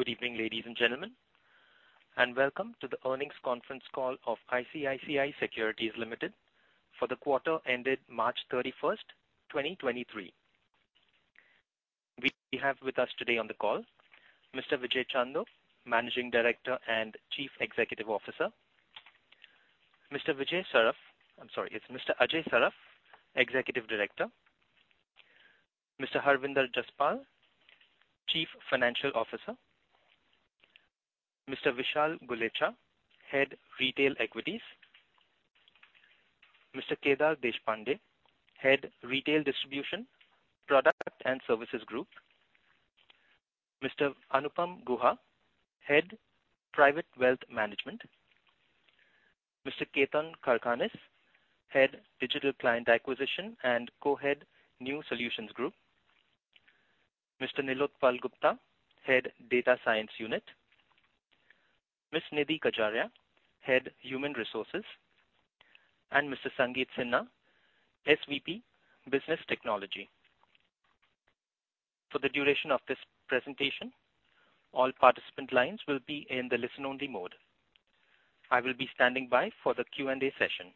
Good evening, ladies and gentlemen, welcome to the earnings conference call of ICICI Securities Limited for the quarter ended March 31st, 2023. We have with us today on the call Mr. Vijay Chandok, Managing Director and Chief Executive Officer. Mr. Ajay Saraf. I'm sorry. It's Mr. Ajay Saraf, Executive Director. Mr. Harvinder Jaspal, Chief Financial Officer. Mr. Vishal Gulechha, Head Retail Equities. Mr. Kedar Deshpande, Head Retail Distribution, Product and Services Group. Mr. Anupam Guha, Head Private Wealth Management. Mr. Ketan Karkhanis, Head Digital Client Acquisition and Co-Head New Solutions Group. Mr. Nilotpal Gupta, Head Data Science Unit. Ms. Nidhi Kajaria, Head Human Resources, and Mr. Sangeet Sinha, SVP Business Technology. For the duration of this presentation, all participant lines will be in the listen-only mode. I will be standing by for the Q&A session.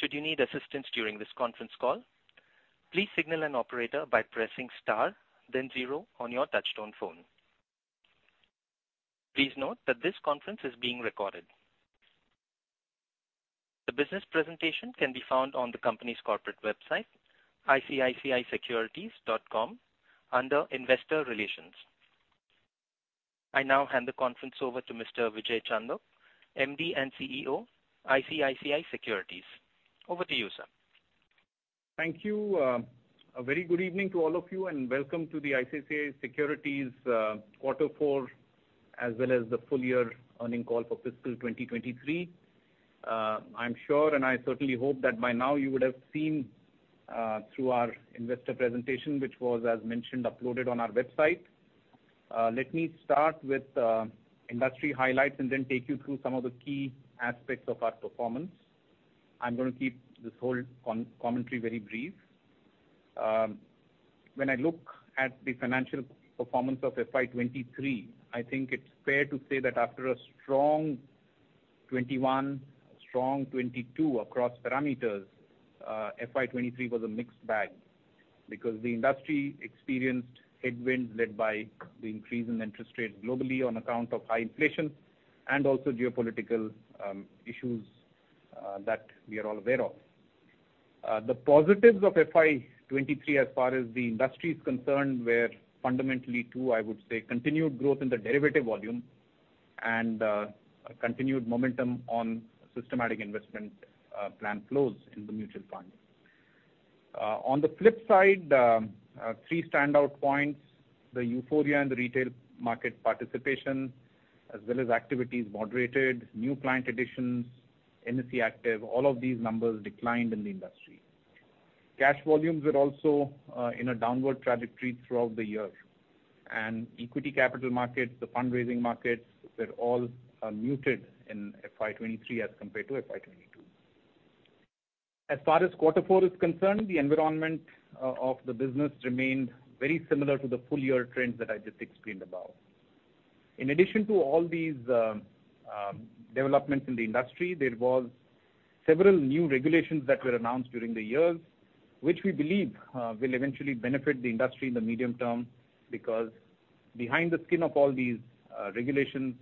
Should you need assistance during this conference call, please signal an operator by pressing star then zero on your touchtone phone. Please note that this conference is being recorded. The business presentation can be found on the company's corporate website, icicisecurities.com, under Investor Relations. I now hand the conference over to Mr. Vijay Chandok, MD and CEO, ICICI Securities. Over to you, sir. Thank you. A very good evening to all of you, and welcome to the ICICI Securities quarter four as well as the full year earning call for fiscal 2023. I'm sure, and I certainly hope that by now you would have seen through our investor presentation, which was, as mentioned, uploaded on our website. Let me start with industry highlights and then take you through some of the key aspects of our performance. I'm gonna keep this whole commentary very brief. When I look at the financial performance of FY 2023, I think it's fair to say that after a strong 2021, a strong 2022 across parameters, FY 2023 was a mixed bag because the industry experienced headwinds led by the increase in interest rates globally on account of high inflation and also geopolitical issues that we are all aware of. The positives of FY 2023 as far as the industry is concerned, were fundamentally 2, I would say continued growth in the derivative volume and continued momentum on systematic investment plan flows in the mutual fund. On the flip side, 3 standout points, the euphoria and the retail market participation as well as activities moderated, new client additions, NSE active, all of these numbers declined in the industry. Cash volumes were also in a downward trajectory throughout the year. Equity capital markets, the fundraising markets were all muted in FY 23 as compared to FY 22. As far as quarter four is concerned, the environment of the business remained very similar to the full-year trends that I just explained about. In addition to all these developments in the industry, there was several new regulations that were announced during the years, which we believe will eventually benefit the industry in the medium term, because behind the skin of all these regulations,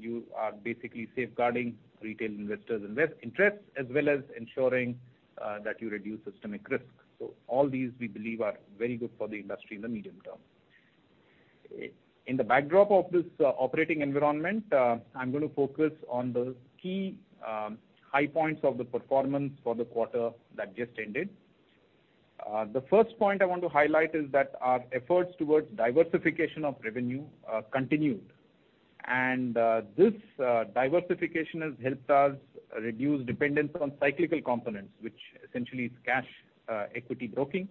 you are basically safeguarding retail investors' interests as well as ensuring that you reduce systemic risk. All these, we believe, are very good for the industry in the medium term. In the backdrop of this operating environment, I'm gonna focus on the key high points of the performance for the quarter that just ended. The first point I want to highlight is that our efforts towards diversification of revenue continued. This diversification has helped us reduce dependence on cyclical components, which essentially is cash equity broking.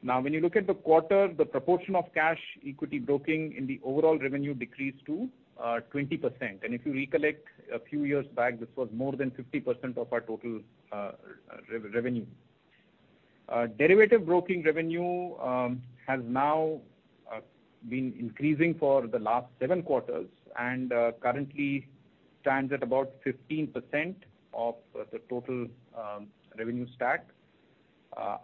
Now, when you look at the quarter, the proportion of cash equity broking in the overall revenue decreased to 20%. If you recollect a few years back, this was more than 50% of our total revenue. Derivative broking revenue has now been increasing for the last 7 quarters and currently stands at about 15% of the total revenue stack.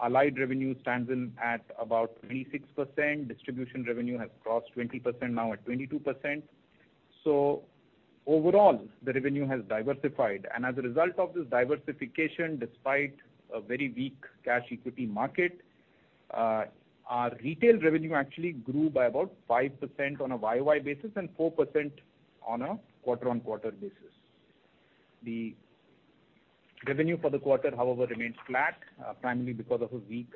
Allied revenue stands in at about 26%. Distribution revenue has crossed 20%, now at 22%. Overall, the revenue has diversified. As a result of this diversification, despite a very weak cash equity market, our retail revenue actually grew by about 5% on a YoY basis and 4% on a quarter-on-quarter basis. The revenue for the quarter, however, remains flat, primarily because of a weak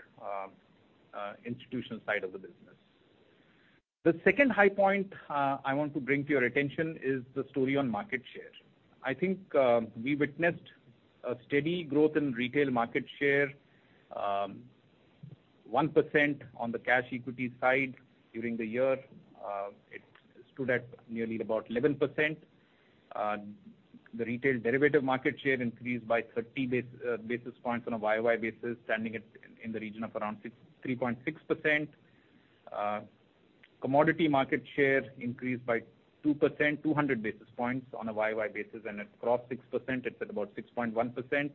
institutional side of the business. The second high point I want to bring to your attention is the story on market share. I think, we witnessed a steady growth in retail market share. 1% on the cash equity side during the year, it stood at nearly about 11%. The retail derivative market share increased by 30 basis points on a YoY basis, standing at, in the region of around 3.6%. Commodity market share increased by 2%, 200 basis points on a YoY basis. It crossed 6%. It's at about 6.1%.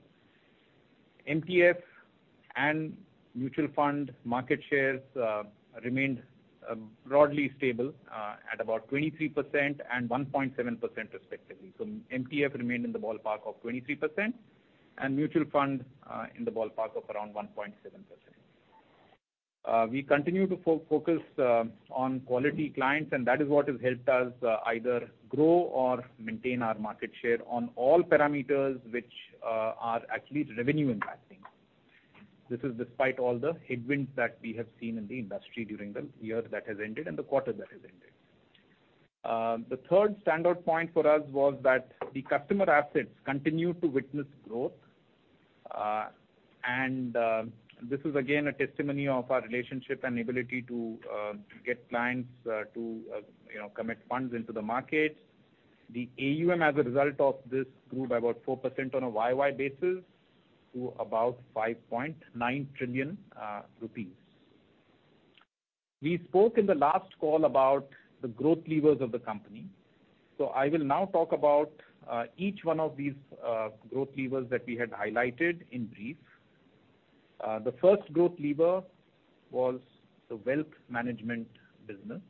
MTF and mutual fund market shares remained broadly stable at about 23% and 1.7% respectively. MTF remained in the ballpark of 23% and mutual fund in the ballpark of around 1.7%. We continue to focus on quality clients and that is what has helped us either grow or maintain our market share on all parameters which are at least revenue impacting. This is despite all the headwinds that we have seen in the industry during the year that has ended and the quarter that has ended. The third standout point for us was that the customer assets continued to witness growth. This is again a testimony of our relationship and ability to get clients to, you know, commit funds into the market. The AUM as a result of this grew by about 4% on a YoY basis to about INR 5.9 trillion. We spoke in the last call about the growth levers of the company. I will now talk about each one of these growth levers that we had highlighted in brief. The first growth lever was the wealth management business.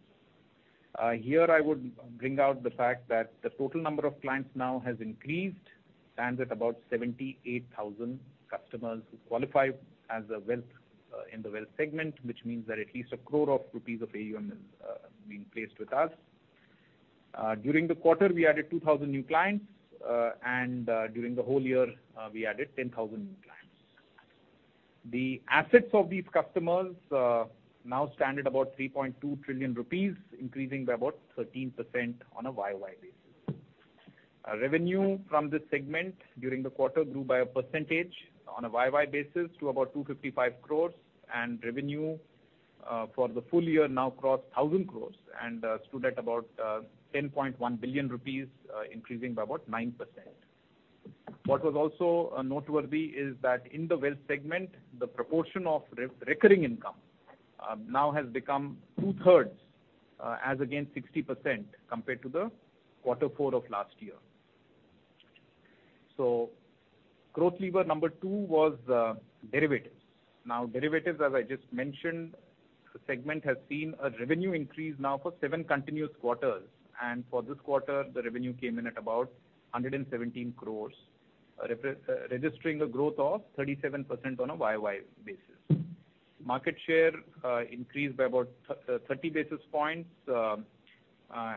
Here I would bring out the fact that the total number of clients now has increased, stands at about 78,000 customers who qualify as a wealth in the wealth segment, which means that at least 1 crore rupees of AUM is being placed with us. During the quarter, we added 2,000 new clients, and during the whole year, we added 10,000 new clients. The assets of these customers now stand at about 3.2 trillion rupees, increasing by about 13% on a YoY basis. Revenue from this segment during the quarter grew by a percentage on a YoY basis to about 255 crores and revenue for the full year now crossed 1,000 crores and stood at about 10.1 billion rupees, increasing by about 9%. What was also noteworthy is that in the wealth segment, the proportion of re-recurring income now has become two-thirds, as against 60% compared to the quarter four of last year. Growth lever number two was derivatives. Derivatives, as I just mentioned, the segment has seen a revenue increase now for seven continuous quarters, and for this quarter, the revenue came in at about 117 crores, registering a growth of 37% on a YoY basis. Market share increased by about 30 basis points,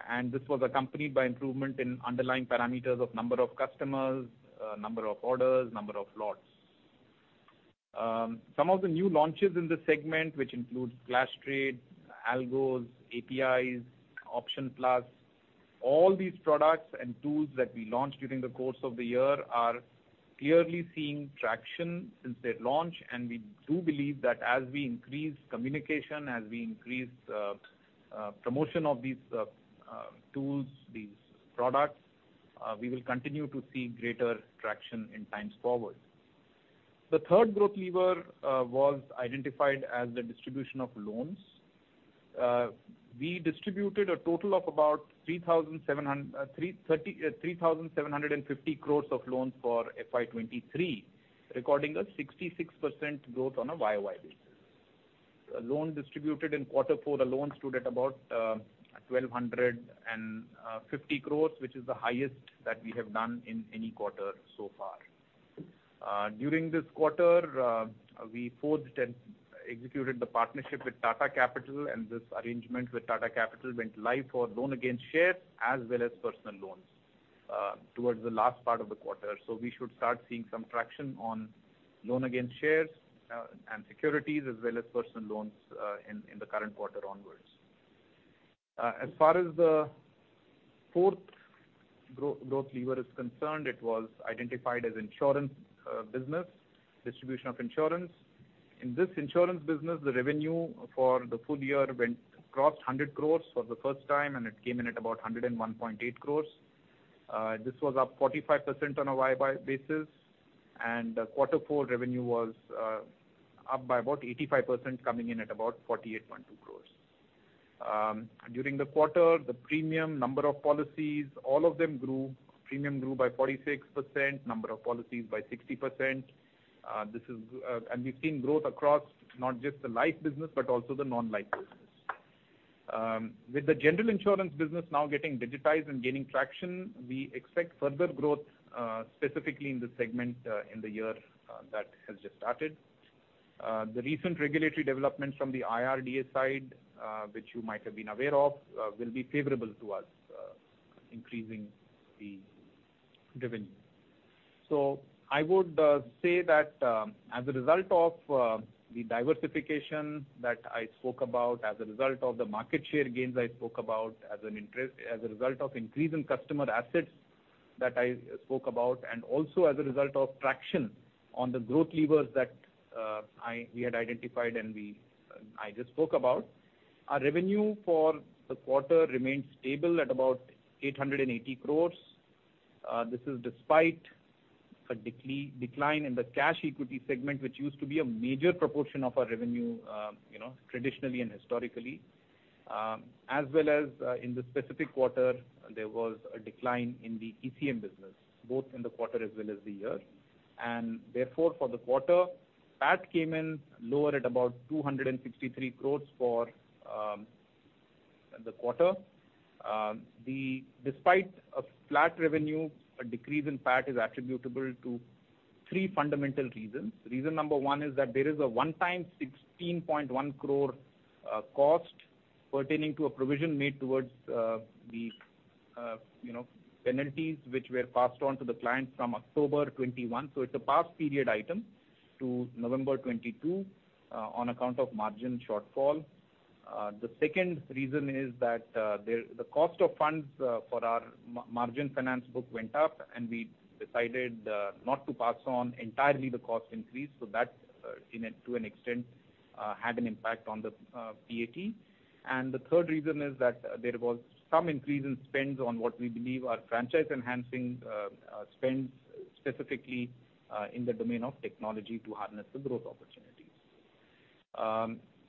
and this was accompanied by improvement in underlying parameters of number of customers, number of orders, number of lots. Some of the new launches in this segment, which includes Flash Trade, Algos, APIs, Options Plus, all these products and tools that we launched during the course of the year are clearly seeing traction since their launch, and we do believe that as we increase communication, as we increase promotion of these tools, these products, we will continue to see greater traction in times forward. The third growth lever was identified as the distribution of loans. We distributed a total of about 3,750 crores of loans for FY23, recording a 66% growth on a YoY basis. A loan distributed in Q4, the loan stood at about 1,250 crores, which is the highest that we have done in any quarter so far. During this quarter, we forged and executed the partnership with Tata Capital, and this arrangement with Tata Capital went live for loan against shares as well as personal loans towards the last part of the quarter. We should start seeing some traction on loan against shares and securities as well as personal loans in the current quarter onwards. As far as the fourth growth lever is concerned, it was identified as insurance business, distribution of insurance. In this insurance business, the revenue for the full year crossed 100 crores for the first time, and it came in at about 101.8 crores. This was up 45% on a YoY basis, and quarter four revenue was up by about 85%, coming in at about 48.2 crores. During the quarter, the premium number of policies, all of them grew. Premium grew by 46%, number of policies by 60%. This is, and we've seen growth across not just the life business but also the non-life business. With the general insurance business now getting digitized and gaining traction, we expect further growth specifically in this segment in the year that has just started. The recent regulatory developments from the IRDAI side, which you might have been aware of, will be favorable to us, increasing the revenue. I would say that as a result of the diversification that I spoke about, as a result of the market share gains I spoke about, as a result of increase in customer assets that I spoke about, and also as a result of traction on the growth levers that we had identified and I just spoke about. Our revenue for the quarter remained stable at about 880 crores. This is despite a decline in the cash equity segment, which used to be a major proportion of our revenue, you know, traditionally and historically. As well as, in this specific quarter, there was a decline in the ECM business, both in the quarter as well as the year. Therefore for the quarter, PAT came in lower at about 263 crore for the quarter. Despite a flat revenue, a decrease in PAT is attributable to 3 fundamental reasons. Reason number 1 is that there is a one-time 16.1 crore cost pertaining to a provision made towards the, you know, penalties which were passed on to the client from October 2021. It's a past period item to November 2022 on account of margin shortfall. The second reason is that the cost of funds for our margin finance book went up, and we decided not to pass on entirely the cost increase. That, to an extent, had an impact on the PAT. The third reason is that there was some increase in spends on what we believe are franchise-enhancing spends, specifically in the domain of technology to harness the growth opportunities.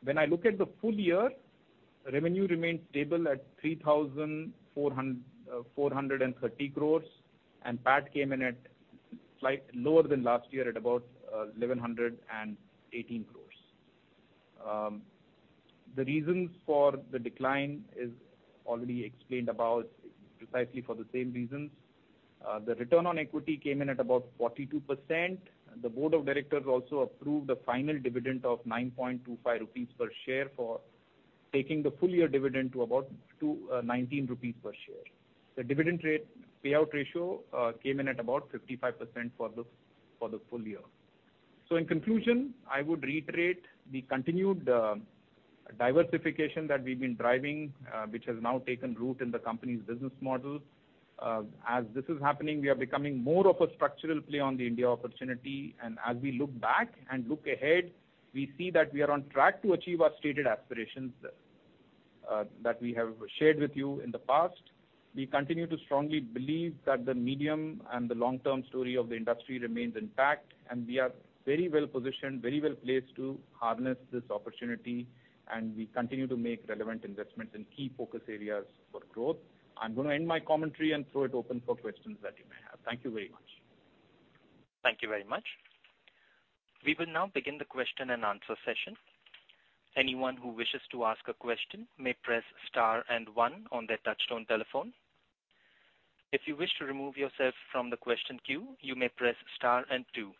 When I look at the full year, revenue remained stable at 3,430 crores, and PAT came in at slight lower than last year at about 1,118 crores. The reasons for the decline is already explained about precisely for the same reasons. The return on equity came in at about 42%. The board of directors also approved a final dividend of 9.25 rupees per share for taking the full year dividend to about 19 rupees per share. The dividend rate payout ratio came in at about 55% for the full year. In conclusion, I would reiterate the continued diversification that we've been driving, which has now taken root in the company's business model. As this is happening, we are becoming more of a structural play on the India opportunity. As we look back and look ahead, we see that we are on track to achieve our stated aspirations that we have shared with you in the past. We continue to strongly believe that the medium and the long-term story of the industry remains intact, and we are very well-positioned, very well-placed to harness this opportunity, and we continue to make relevant investments in key focus areas for growth. I'm going to end my commentary and throw it open for questions that you may have. Thank you very much. Thank you very much. We will now begin the question-and-answer session. Anyone who wishes to ask a question may press star and one on their touchtone telephone. If you wish to remove yourself from the question queue, you may press star and two.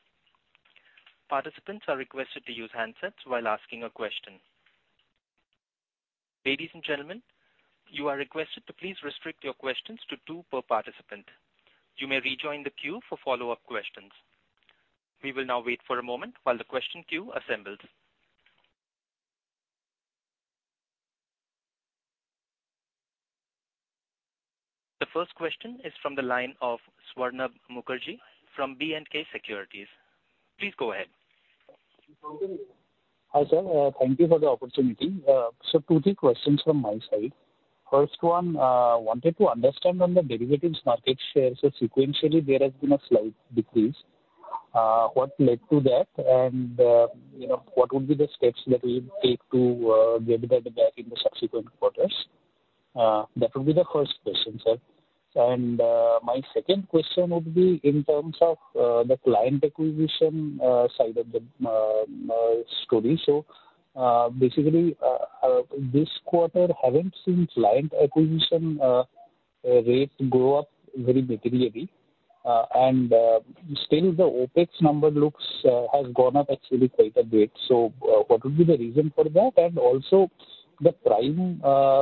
Participants are requested to use handsets while asking a question. Ladies and gentlemen, you are requested to please restrict your questions to two per participant. You may rejoin the queue for follow-up questions. We will now wait for a moment while the question queue assembles. The first question is from the line of Swarnabha Mukherjee from B&K Securities. Please go ahead. Hi, sir. Thank you for the opportunity. Two, three questions from my side. First one, wanted to understand on the derivatives market share. Sequentially, there has been a slight decrease. What led to that? You know, what would be the steps that we take to get that back in the subsequent quarters? That would be the first question, sir. My second question would be in terms of the client acquisition side of the story. Basically, this quarter, haven't seen client acquisition rates go up very materially. Still the OpEx number looks has gone up actually quite a bit. What would be the reason for that? Also the Prime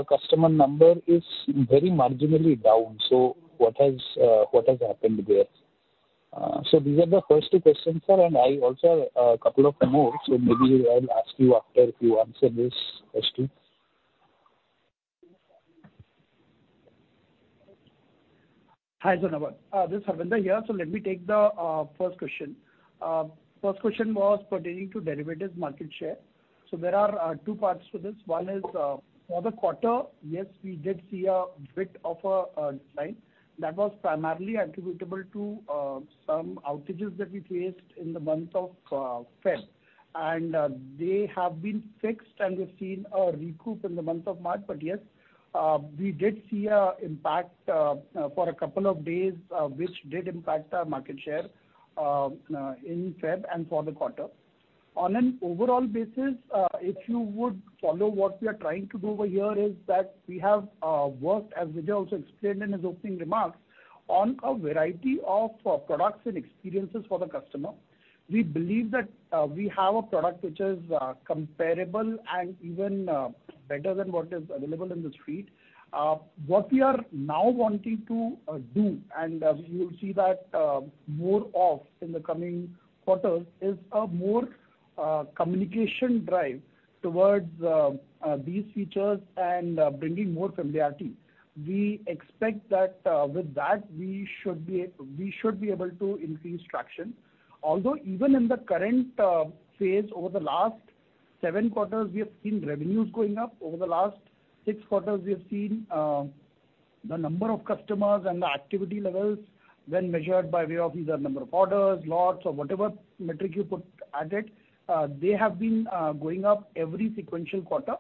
customer number is very marginally down. What has happened there? These are the first two questions, sir, and I also have a couple of more. Maybe I'll ask you after you answer this question. Hi, Swarnabha. This is Harvinder here. Let me take the first question. First question was pertaining to derivatives market share. There are two parts to this. One is for the quarter, yes, we did see a bit of a decline that was primarily attributable to some outages that we faced in the month of Feb. They have been fixed, and we've seen a recoup in the month of March. Yes, we did see a impact for a couple of days, which did impact our market share in Feb and for the quarter. On an overall basis, if you would follow what we are trying to do over here is that we have worked, as Vijay also explained in his opening remarks, on a variety of products and experiences for the customer. We believe that we have a product which is comparable and even better than what is available in the street. What we are now wanting to do, and you'll see that more of in the coming quarters, is a more communication drive towards these features and bringing more familiarity. We expect that, with that, we should be able to increase traction. Although even in the current phase over the last 7 quarters, we have seen revenues going up. Over the last 6 quarters we have seen the number of customers and the activity levels when measured by way of either number of orders, lots, or whatever metric you put at it, they have been going up every sequential quarter.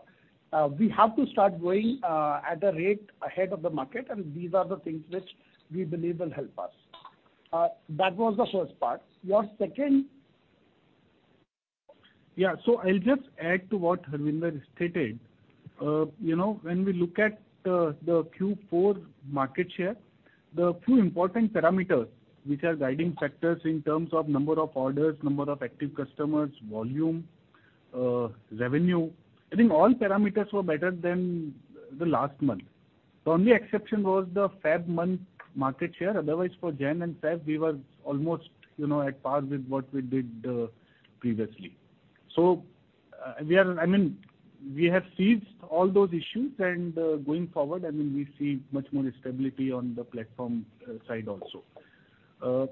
We have to start growing at a rate ahead of the market, and these are the things which we believe will help us. That was the first part. Your second? Yeah. I'll just add to what Harvinder stated. You know, when we look at the Q4 market share, the two important parameters which are guiding factors in terms of number of orders, number of active customers, volume, revenue, I think all parameters were better than the last month. The only exception was the Feb month market share. Otherwise, for Jan and Feb, we were almost, you know, at par with what we did previously. I mean, we have seized all those issues, and going forward, I mean, we see much more stability on the platform side also. I'll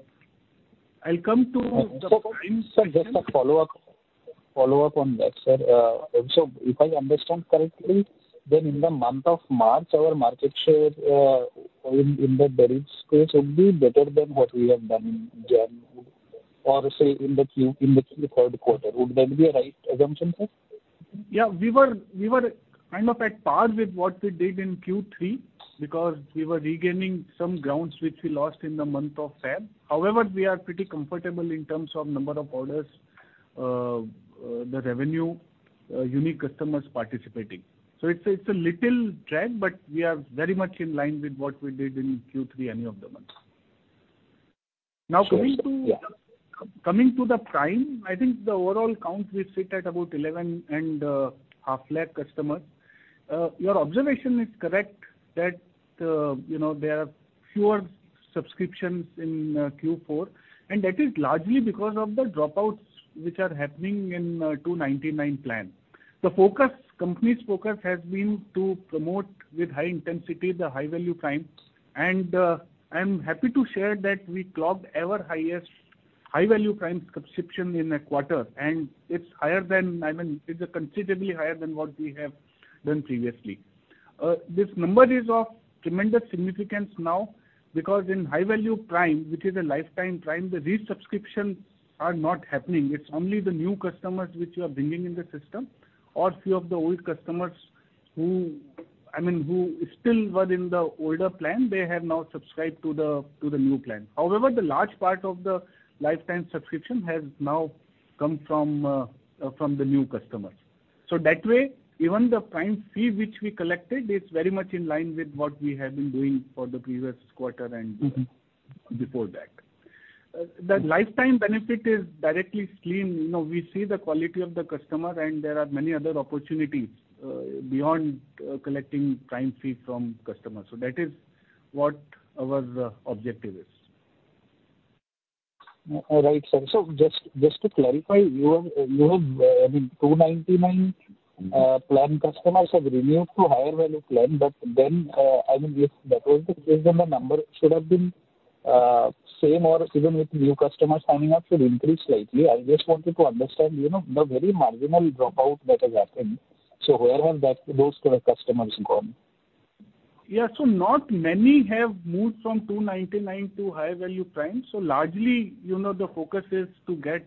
come to the Prime- Just a follow-up on that, sir. If I understand correctly, then in the month of March, our market share in the derivatives space would be better than what we have done in January or, say, in the Q3 quarter. Would that be a right assumption, sir? We were kind of at par with what we did in Q3 because we were regaining some grounds which we lost in the month of Feb. However, we are pretty comfortable in terms of number of orders, the revenue, unique customers participating. It's a little drag, but we are very much in line with what we did in Q3 any of the months. Sure, sir. Yeah. Now, coming to the Prime, I think the overall count will sit at about 11 and half lac customers. Your observation is correct that, you know, there are fewer subscriptions in Q4, and that is largely because of the dropouts which are happening in the 299 plan. The focus, company's focus has been to promote with high intensity the high-value Prime. I'm happy to share that we clocked ever highest high-value Prime subscription in a quarter, and it's higher than, I mean, it's considerably higher than what we have done previously. This number is of tremendous significance now because in high-value Prime, which is a lifetime Prime, the resubscriptions are not happening. It's only the new customers which we are bringing in the system or few of the old customers who, I mean, who still were in the older plan, they have now subscribed to the new plan. The large part of the lifetime subscription has now come from the new customers. That way, even the Prime fee which we collected is very much in line with what we have been doing for the previous quarter and before that. The lifetime benefit is directly seen. You know, we see the quality of the customer and there are many other opportunities beyond collecting Prime fee from customers. That is what our objective is. All right, sir. Just to clarify, your, I mean, 299 plan customers have renewed to higher value plan. I mean, if that was the case, then the number should have been same or even with new customers signing up should increase slightly. I just wanted to understand, you know, the very marginal dropout that has happened. Where have those customers gone? Yeah. Not many have moved from 299 to higher value Prime. Largely, you know, the focus is to get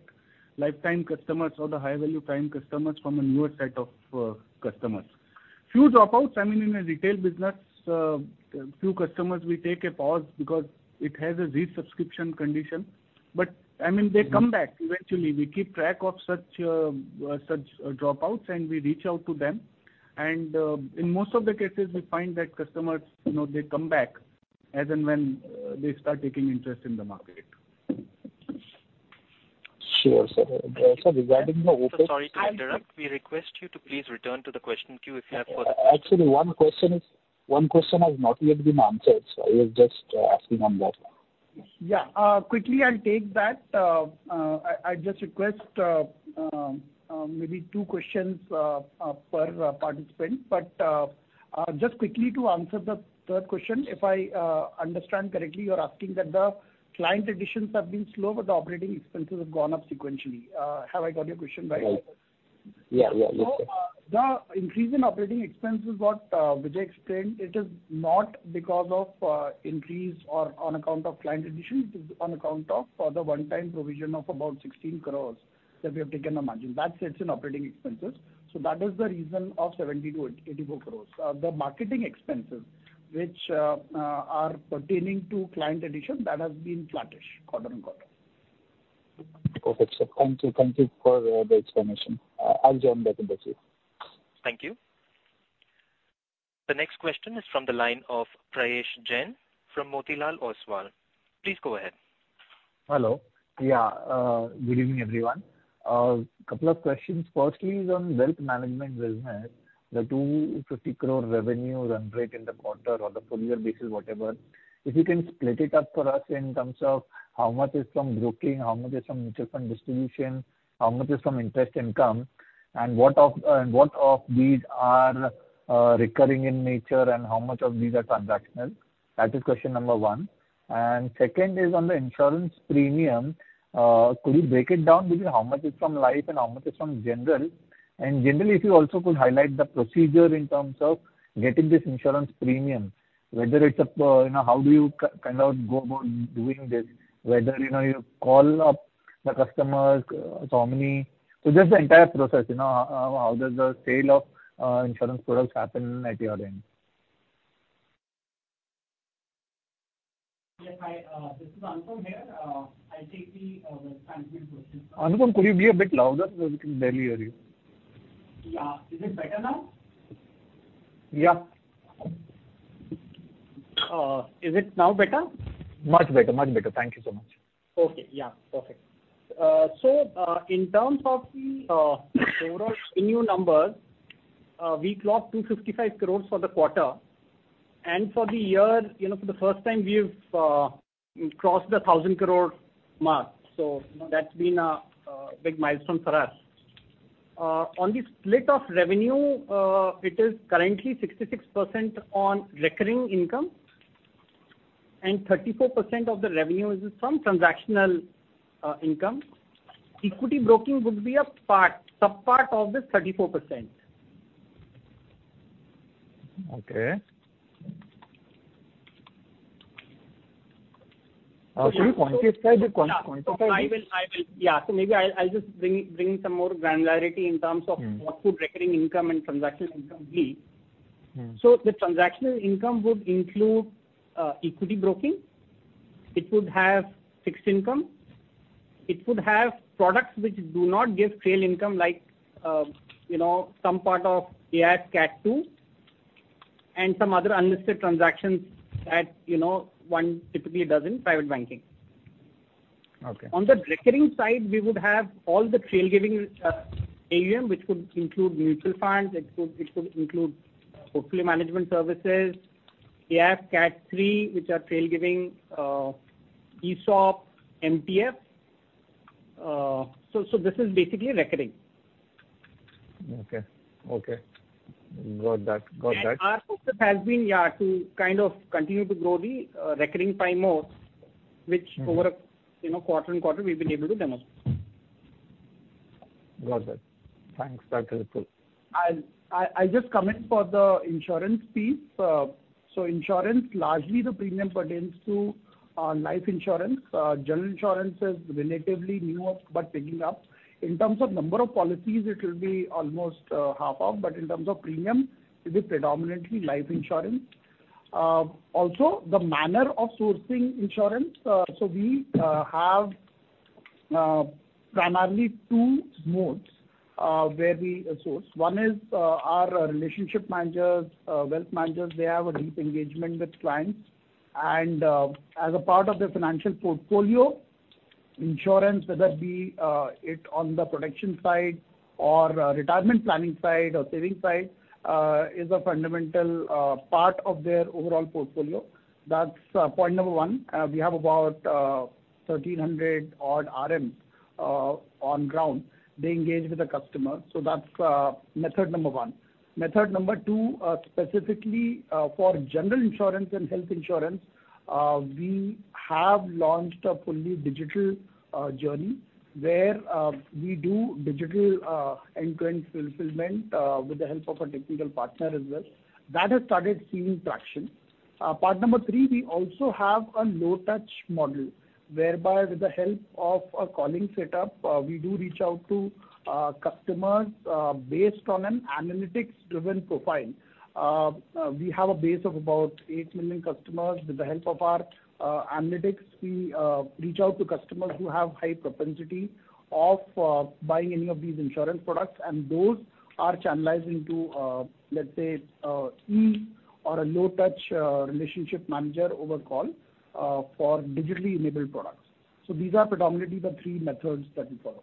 lifetime customers or the higher value Prime customers from a newer set of customers. Few dropouts, I mean, in a retail business, few customers will take a pause because it has a resubscription condition. I mean, they come back eventually. We keep track of such dropouts and we reach out to them. In most of the cases, we find that customers, you know, they come back as and when they start taking interest in the market. Sure, sir. Sir, regarding. Sir, sorry to interrupt. We request you to please return to the question queue if you have further. Actually, one question has not yet been answered. I was just asking on that. Yeah. quickly I'll take that. I just request maybe 2 questions per participant. Just quickly to answer the question. If I understand correctly, you're asking that the client additions have been slow, but the operating expenses have gone up sequentially. Have I got your question right? Right. Yeah, yeah. That's it. The increase in operating expense is what Vijay explained. It is not because of increase or on account of client additions. It is on account of the one-time provision of about 16 crore that we have taken a margin. That sits in operating expenses. That is the reason of 70 crore-84 crore. The marketing expenses which are pertaining to client addition, that has been flattish quarter-on-quarter. Okay, sir. Thank you. Thank you for the explanation. I'll join back in the queue. Thank you. The next question is from the line of Prayesh Jain from Motilal Oswal. Please go ahead. Hello. Good evening, everyone. Couple of questions. Firstly is on wealth management business. The 250 crore revenue run rate in the quarter or the full year basis, whatever. If you can split it up for us in terms of how much is from broking, how much is from mutual fund distribution, how much is from interest income, and what of these are recurring in nature and how much of these are transactional? That is question number 1. Second is on the insurance premium, could you break it down between how much is from life and how much is from general? Generally, if you also could highlight the procedure in terms of getting this insurance premium, whether it's a, you know, how do you kind of go about doing this, whether, you know, you call up the customers, how many? Just the entire process, you know, how does the sale of insurance products happen at your end? Yes, hi, this is Ankur here. I'll take the financial questions. Ankur, could you be a bit louder? We can barely hear you. Yeah. Is it better now? Yeah. Is it now better? Much better, much better. Thank you so much. Okay. Yeah. Perfect. In terms of the overall revenue numbers, we clocked 255 crores for the quarter. For the year, you know, for the first time we've crossed the 1,000 crore mark. That's been a big milestone for us. On the split of revenue, it is currently 66% on recurring income and 34% of the revenue is from transactional income. Equity broking would be a part, sub-part of the 34%. Okay. Can you quantify the? Yeah. I will. Yeah. maybe I'll just bring some more granularity in terms of. What would recurring income and transactional income be? The transactional income would include equity broking. It would have fixed income. It would have products which do not give trail income like, you know, some part of AIF Cat II and some other unlisted transactions that, you know, one typically does in private banking. Okay. On the recurring side, we would have all the trail giving, AUM, which could include mutual funds. It could include portfolio management services. We have Cat III, which are trail giving, ESOP, MTF. This is basically recurring. Okay. Okay. Got that, got that. Our focus has been, yeah, to kind of continue to grow the recurring pie more, which over a, you know, quarter and quarter we've been able to demonstrate. Got it. Thanks. That's helpful. I just come in for the insurance piece. Insurance, largely the premium pertains to life insurance. General insurance is relatively new, but picking up. In terms of number of policies, it will be almost half of, but in terms of premium, it is predominantly life insurance. Also the manner of sourcing insurance, we have primarily two modes where we source. One is our relationship managers, wealth managers, they have a deep engagement with clients. As a part of their financial portfolio, insurance, whether it be it on the protection side or retirement planning side or saving side, is a fundamental part of their overall portfolio. That's point number one. We have about 1,300 odd RMs on ground. They engage with the customer. That's method 1. Method 2, specifically, for general insurance and health insurance, we have launched a fully digital journey where we do digital end-to-end fulfillment with the help of a technical partner as well. That has started seeing traction. Part 3, we also have a low touch model, whereby with the help of a calling setup, we do reach out to customers based on an analytics-driven profile. We have a base of about 8 million customers. With the help of our analytics, we reach out to customers who have high propensity of buying any of these insurance products, and those are channelized into, let's say, e- or a low touch relationship manager over call, for digitally enabled products. These are predominantly the three methods that we follow.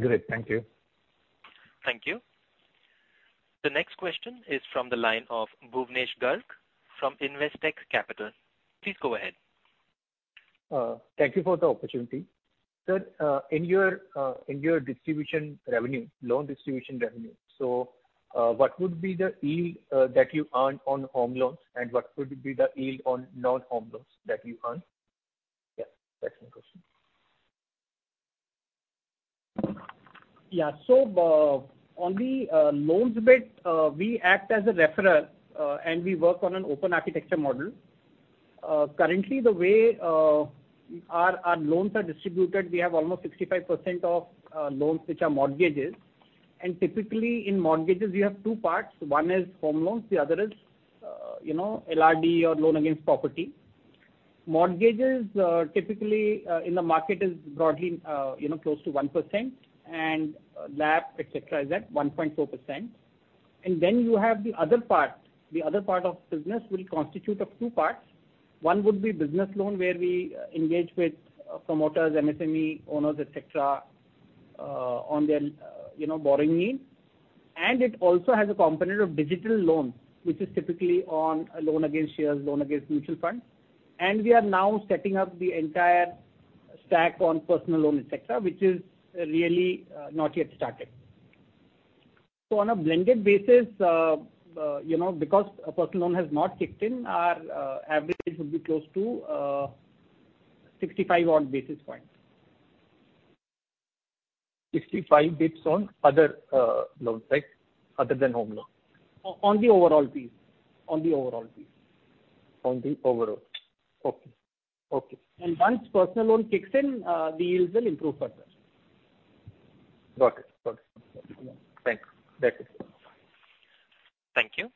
Great. Thank you. Thank you. The next question is from the line of Bhuvnesh Garg from Investec Capital. Please go ahead. Thank you for the opportunity. Sir, in your distribution revenue, loan distribution revenue, what would be the yield that you earn on home loans, and what would be the yield on non-home loans that you earn? That's my question. On the loans bit, we act as a referral, and we work on an open architecture model. Currently the way our loans are distributed, we have almost 65% of loans which are mortgages. Typically in mortgages you have two parts. One is home loans, the other is, you know, LRD or loan against property. Mortgages, typically in the market is broadly, you know, close to 1% and LAP, et cetera, is at 1.4%. Then you have the other part. The other part of business will constitute of two parts. One would be business loan where we engage with promoters, MSME owners, et cetera, on their, you know, borrowing needs. It also has a component of digital loan, which is typically on a loan against shares, loan against mutual funds. We are now setting up the entire stack on personal loan, et cetera, which is really not yet started. On a blended basis, you know, because a personal loan has not kicked in, our average would be close to 65 odd basis points. 65 bips on other loans, right? Other than home loans. On the overall fees. On the overall. Okay. Okay. Once personal loan kicks in, the yields will improve further. Got it. Got it. Thanks. That's it. Thank you.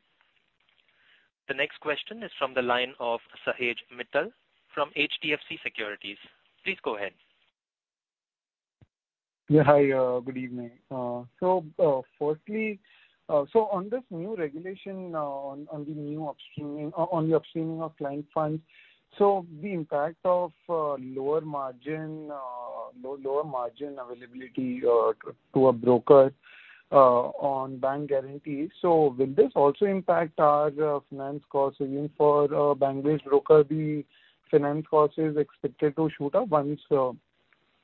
The next question is from the line of Sahej Mittal from HDFC Securities. Please go ahead. Hi, good evening. Firstly, on this new regulation, on the upstreaming of client funds, the impact of lower margin availability to a broker on bank guarantees. Will this also impact our finance costs even for bank-based broker, the finance cost is expected to shoot up once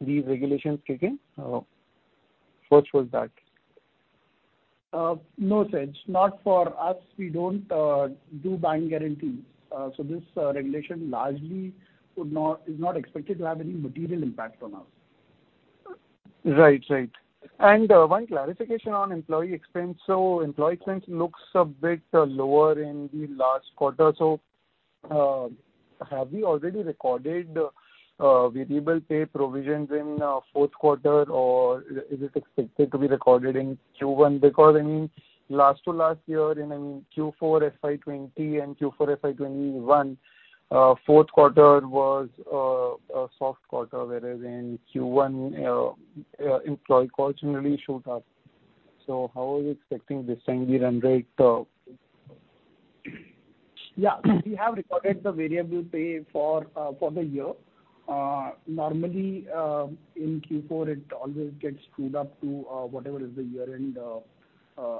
these regulations kick in? First was that. No, Sahej. Not for us. We don't do bank guarantees. This regulation largely is not expected to have any material impact on us. Right. Right. One clarification on employee expense. Employee expense looks a bit lower in the last quarter. Have you already recorded variable pay provisions in fourth quarter, or is it expected to be recorded in Q1? Because, I mean, last to last year in Q4 FY20 and Q4 FY21, fourth quarter was a soft quarter, whereas in Q1, employee costs really shoot up. How are you expecting this time the run rate? Yeah. We have recorded the variable pay for the year. Normally, in Q4 it always gets screwed up to whatever is the year-end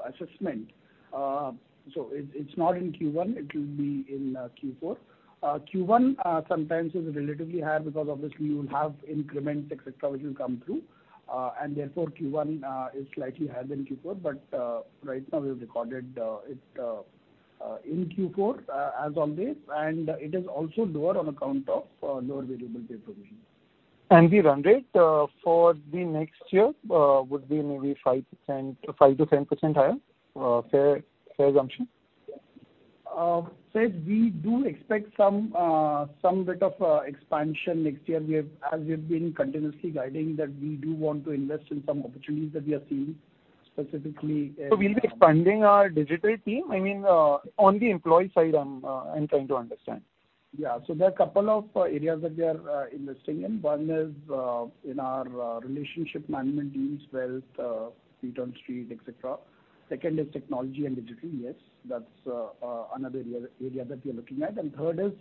assessment. It's not in Q1. It will be in Q4. Q1 sometimes is relatively higher because obviously you'll have increments, et cetera, which will come through. Therefore Q1 is slightly higher than Q4. Right now we have recorded it in Q4 as always, and it is also lower on account of lower variable pay provisions. The run rate, for the next year, would be maybe 5%, 5%-10% higher, fair assumption? Sahej, we do expect some bit of expansion next year. As we've been continuously guiding that we do want to invest in some opportunities that we are seeing, specifically. We'll be expanding our digital team? I mean, on the employee side, I'm trying to understand. Yeah. There are a couple of areas that we are investing in. One is in our relationship management units, wealth, street on street, et cetera. Second is technology and digital. Yes. That's another area that we are looking at. Third is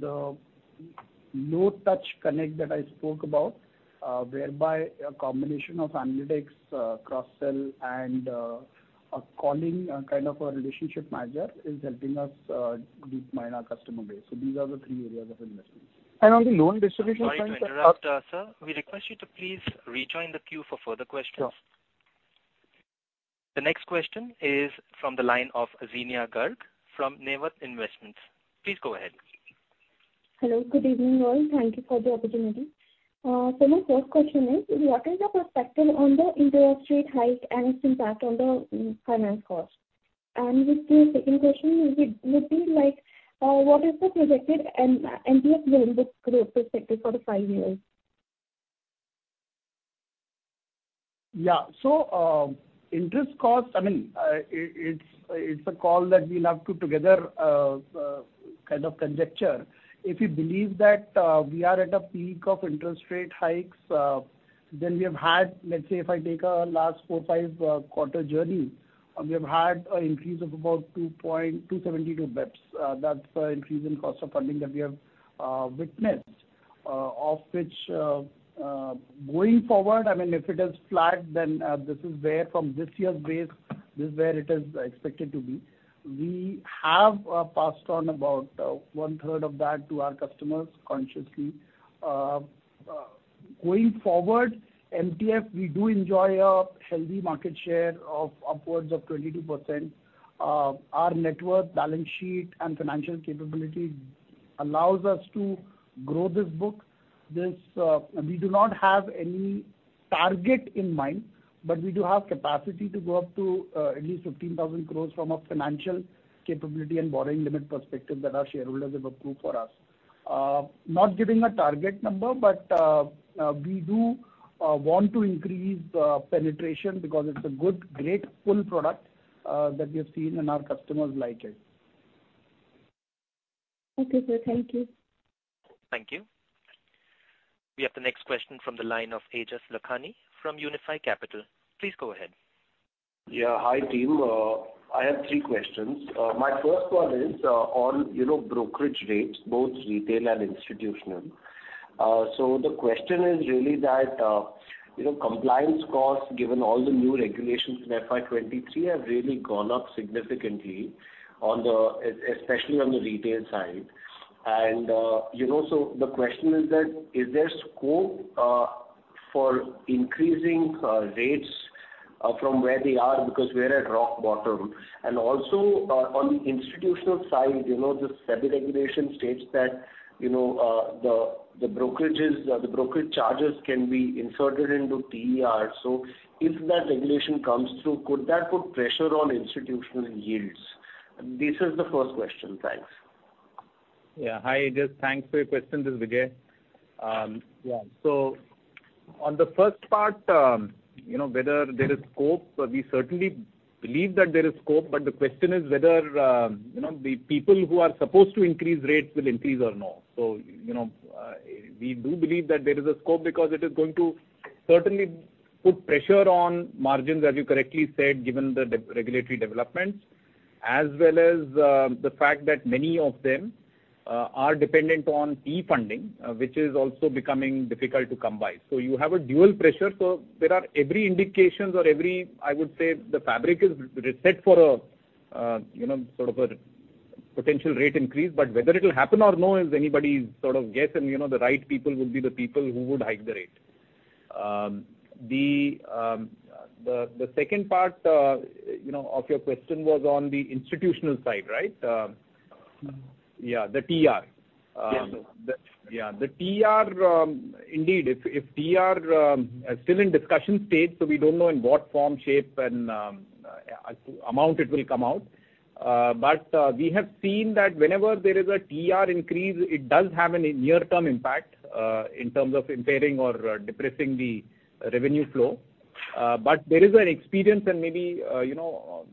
the no touch connect that I spoke about, whereby a combination of analytics, cross-sell and a calling kind of a relationship manager is helping us deep mine our customer base. These are the three areas of investments. On the loan distribution front. Sorry to interrupt, sir. We request you to please rejoin the queue for further questions. Sure. The next question is from the line of Zenia Garg from Nevat Investments. Please go ahead. Hello. Good evening all. Thank you for the opportunity. My first question is, what is the perspective on the interest rate hike and its impact on the finance cost? The second question would be like, what is the projected MTF loan book growth perspective for the five years? Yeah. Interest cost, I mean, it's a call that we'll have to together kind of conjecture. If we believe that we are at a peak of interest rate hikes, then we have had, let's say if I take a last 4, 5 quarter journey, we have had an increase of about 272 basis points. That's the increase in cost of funding that we have witnessed. Of which, going forward, I mean, if it is flat, then this is where from this year's base, this is where it is expected to be. We have passed on about one third of that to our customers consciously. Going forward, MTF, we do enjoy a healthy market share of upwards of 22%. Our network balance sheet and financial capability allows us to grow this book. This, we do not have any target in mind, but we do have capacity to go up to at least 15,000 crores from a financial capability and borrowing limit perspective that our shareholders have approved for us. Not giving a target number, but, we do want to increase penetration because it's a good, great pull product that we have seen and our customers like it. Okay, sir. Thank you. Thank you. We have the next question from the line of Aejas Lakhani from Unifi Capital. Please go ahead. Hi, team. I have 3 questions. My first one is on, you know, brokerage rates, both retail and institutional. The question is really that, you know, compliance costs, given all the new regulations in FY23 have really gone up significantly on the retail side. The question is that, is there scope for increasing rates from where they are? Because we're at rock bottom. Also, on the institutional side, you know, the SEBI regulation states that, you know, the brokerages, the brokerage charges can be inserted into TER. If that regulation comes through, could that put pressure on institutional yields? This is the first question. Thanks. Hi, Aejas. Thanks for your question. This is Vijay. On the first part, you know, whether there is scope, we certainly believe that there is scope, but the question is whether, you know, the people who are supposed to increase rates will increase or not. You know, we do believe that there is a scope because it is going to certainly put pressure on margins, as you correctly said, given the deregulatory developments, as well as, the fact that many of them, are dependent on E-funding, which is also becoming difficult to come by. You have a dual pressure. There are every indications or I would say the fabric is set for a, you know, sort of a potential rate increase, but whether it'll happen or no is anybody's sort of guess. You know, the right people will be the people who would hike the rate. The second part, you know, of your question was on the institutional side, right? Yeah, the TER. Yes. yeah. The TER, indeed if TER, is still in discussion stage, so we don't know in what form, shape and amount it will come out. We have seen that whenever there is a TER increase, it does have a near-term impact in terms of impairing or depressing the revenue flow. There is an experience and maybe, you know,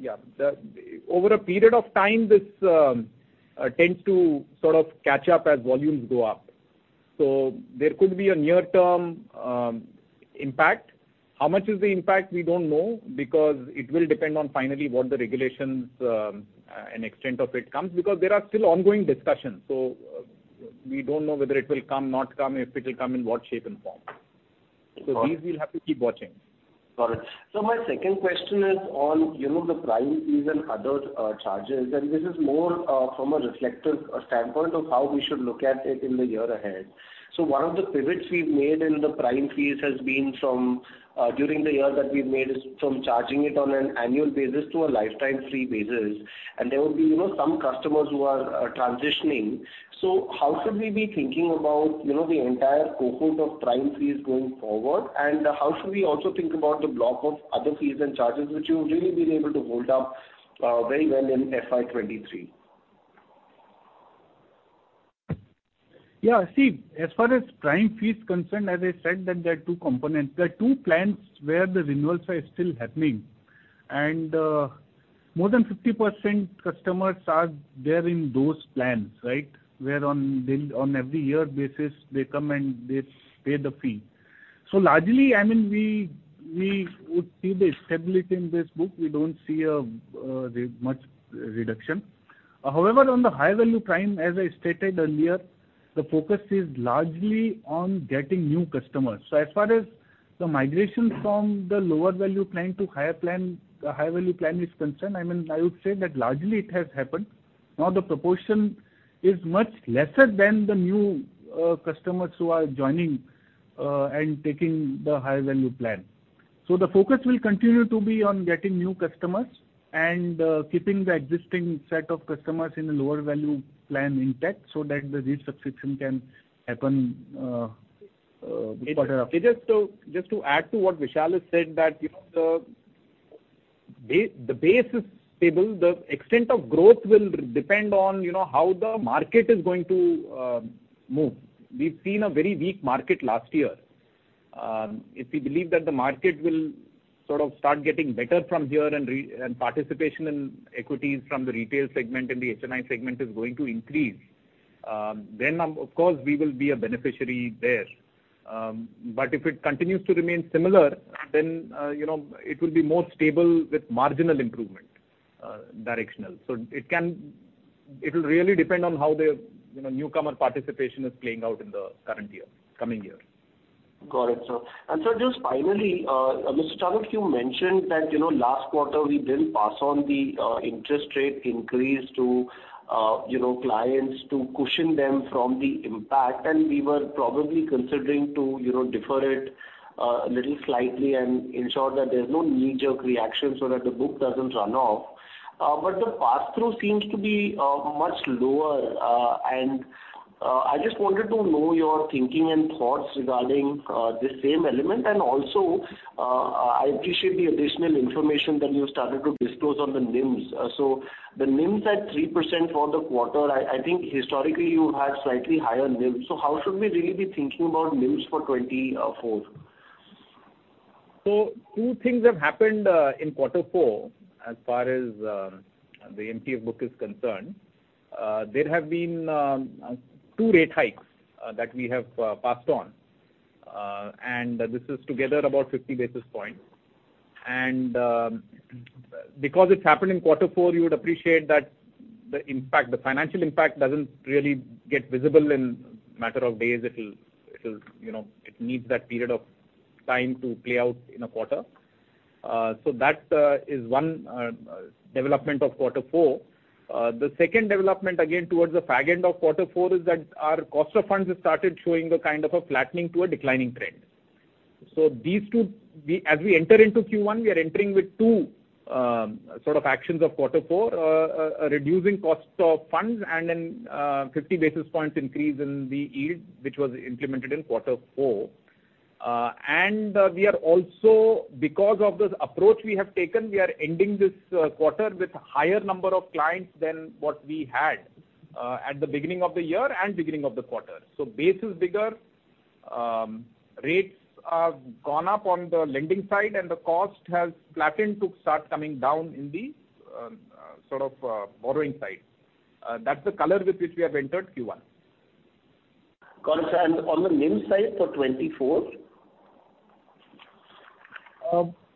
yeah. Over a period of time, this tends to sort of catch up as volumes go up. There could be a near-term impact. How much is the impact? We don't know because it will depend on finally what the regulations and extent of it comes because there are still ongoing discussions. We don't know whether it will come, not come, if it will come, in what shape and form. Got it. These we'll have to keep watching. Got it. My second question is on, you know, the Prime fees and other charges. This is more from a reflective standpoint of how we should look at it in the year ahead. One of the pivots we've made in the Prime fees has been from during the year that we've made is from charging it on an annual basis to a lifetime fee basis. There will be, you know, some customers who are transitioning. How should we be thinking about, you know, the entire cohort of Prime fees going forward? How should we also think about the block of other fees and charges which you've really been able to hold up very well in FY23? Yeah. See, as far as Prime fee is concerned, as I said that there are two components. There are two plans where the renewals are still happening and more than 50% customers are there in those plans, right? Where on every year basis they come and they pay the fee. Largely, I mean, we would see the stability in this book. We don't see a much reduction. However, on the high-value Prime, as I stated earlier, the focus is largely on getting new customers. As far as the migration from the lower value plan to higher plan, high-value plan is concerned, I mean, I would say that largely it has happened. Now the proportion is much lesser than the new customers who are joining and taking the high-value plan. The focus will continue to be on getting new customers and keeping the existing set of customers in a lower value plan intact so that the re-subscription can happen. Aejas, just to add to what Vishal has said, that, you know, the base is stable. The extent of growth will depend on, you know, how the market is going to move. We've seen a very weak market last year. If we believe that the market will sort of start getting better from here and participation in equities from the retail segment and the HNI segment is going to increase, then, of course we will be a beneficiary there. If it continues to remain similar, then, you know, it will be more stable with marginal improvement, directional. It'll really depend on how the, you know, newcomer participation is playing out in the current year, coming year. Got it, sir. Sir, just finally, Mr. Ankur, you mentioned that, you know, last quarter we didn't pass on the interest rate increase to, you know, clients to cushion them from the impact. We were probably considering to, you know, defer it a little slightly and ensure that there's no knee-jerk reaction so that the book doesn't run off. The pass-through seems to be much lower. I just wanted to know your thinking and thoughts regarding the same element. Also, I appreciate the additional information that you started to disclose on the NIMS. The NIMS at 3% for the quarter, I think historically you had slightly higher NIMS. How should we really be thinking about NIMS for 2024? Two things have happened in quarter four as far as the MTF book is concerned. There have been 2 rate hikes that we have passed on. This is together about 50 basis points and because it's happened in quarter four, you would appreciate that the impact, the financial impact doesn't really get visible in matter of days. It'll, you know, it needs that period of time to play out in a quarter. That is 1 development of quarter four. The second development again towards the far end of quarter four is that our cost of funds has started showing the kind of a flattening to a declining trend. These two we... As we enter into Q1, we are entering with two sort of actions of quarter four, reducing cost of funds and then, 50 basis points increase in the yield which was implemented in quarter four. We are also, because of this approach we have taken, we are ending this quarter with higher number of clients than what we had at the beginning of the year and beginning of the quarter. So base is bigger. Rates have gone up on the lending side, and the cost has flattened to start coming down in the sort of borrowing side. That's the color with which we have entered Q1. Got it. On the NIM side for 2024?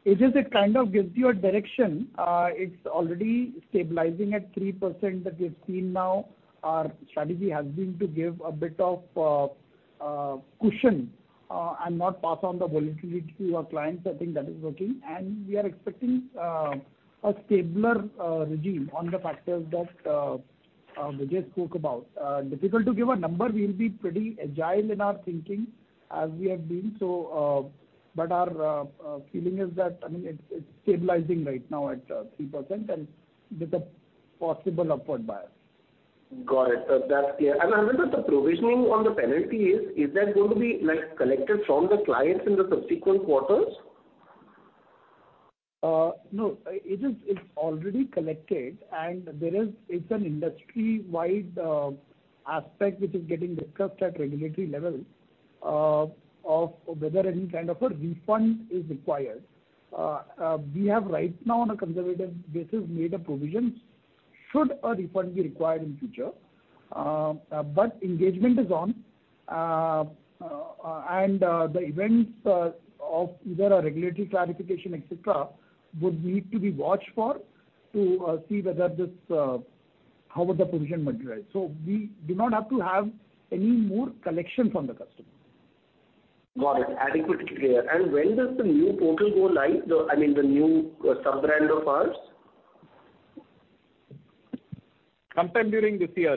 It is a kind of gives you a direction. It's already stabilizing at 3% that we've seen now. Our strategy has been to give a bit of cushion and not pass on the volatility to our clients. I think that is working. We are expecting a stabler regime on the factors that Vijay spoke about. Difficult to give a number. We'll be pretty agile in our thinking as we have been. But our feeling is that, I mean, it's stabilizing right now at 3% and with a possible upward bias. Got it. That's clear. Harvinder, the provisioning on the penalty is that going to be, like, collected from the clients in the subsequent quarters? No. It is, it's already collected and it's an industry-wide aspect which is getting discussed at regulatory level of whether any kind of a refund is required. We have right now on a conservative basis made a provision should a refund be required in future. Engagement is on, and the events of whether a regulatory clarification, et cetera, would need to be watched for, to see whether this, how would the provision materialize. We do not have to have any more collection from the customer. Got it. Adequate clear. When does the new portal go live? I mean, the new sub-brand of ours? Sometime during this year,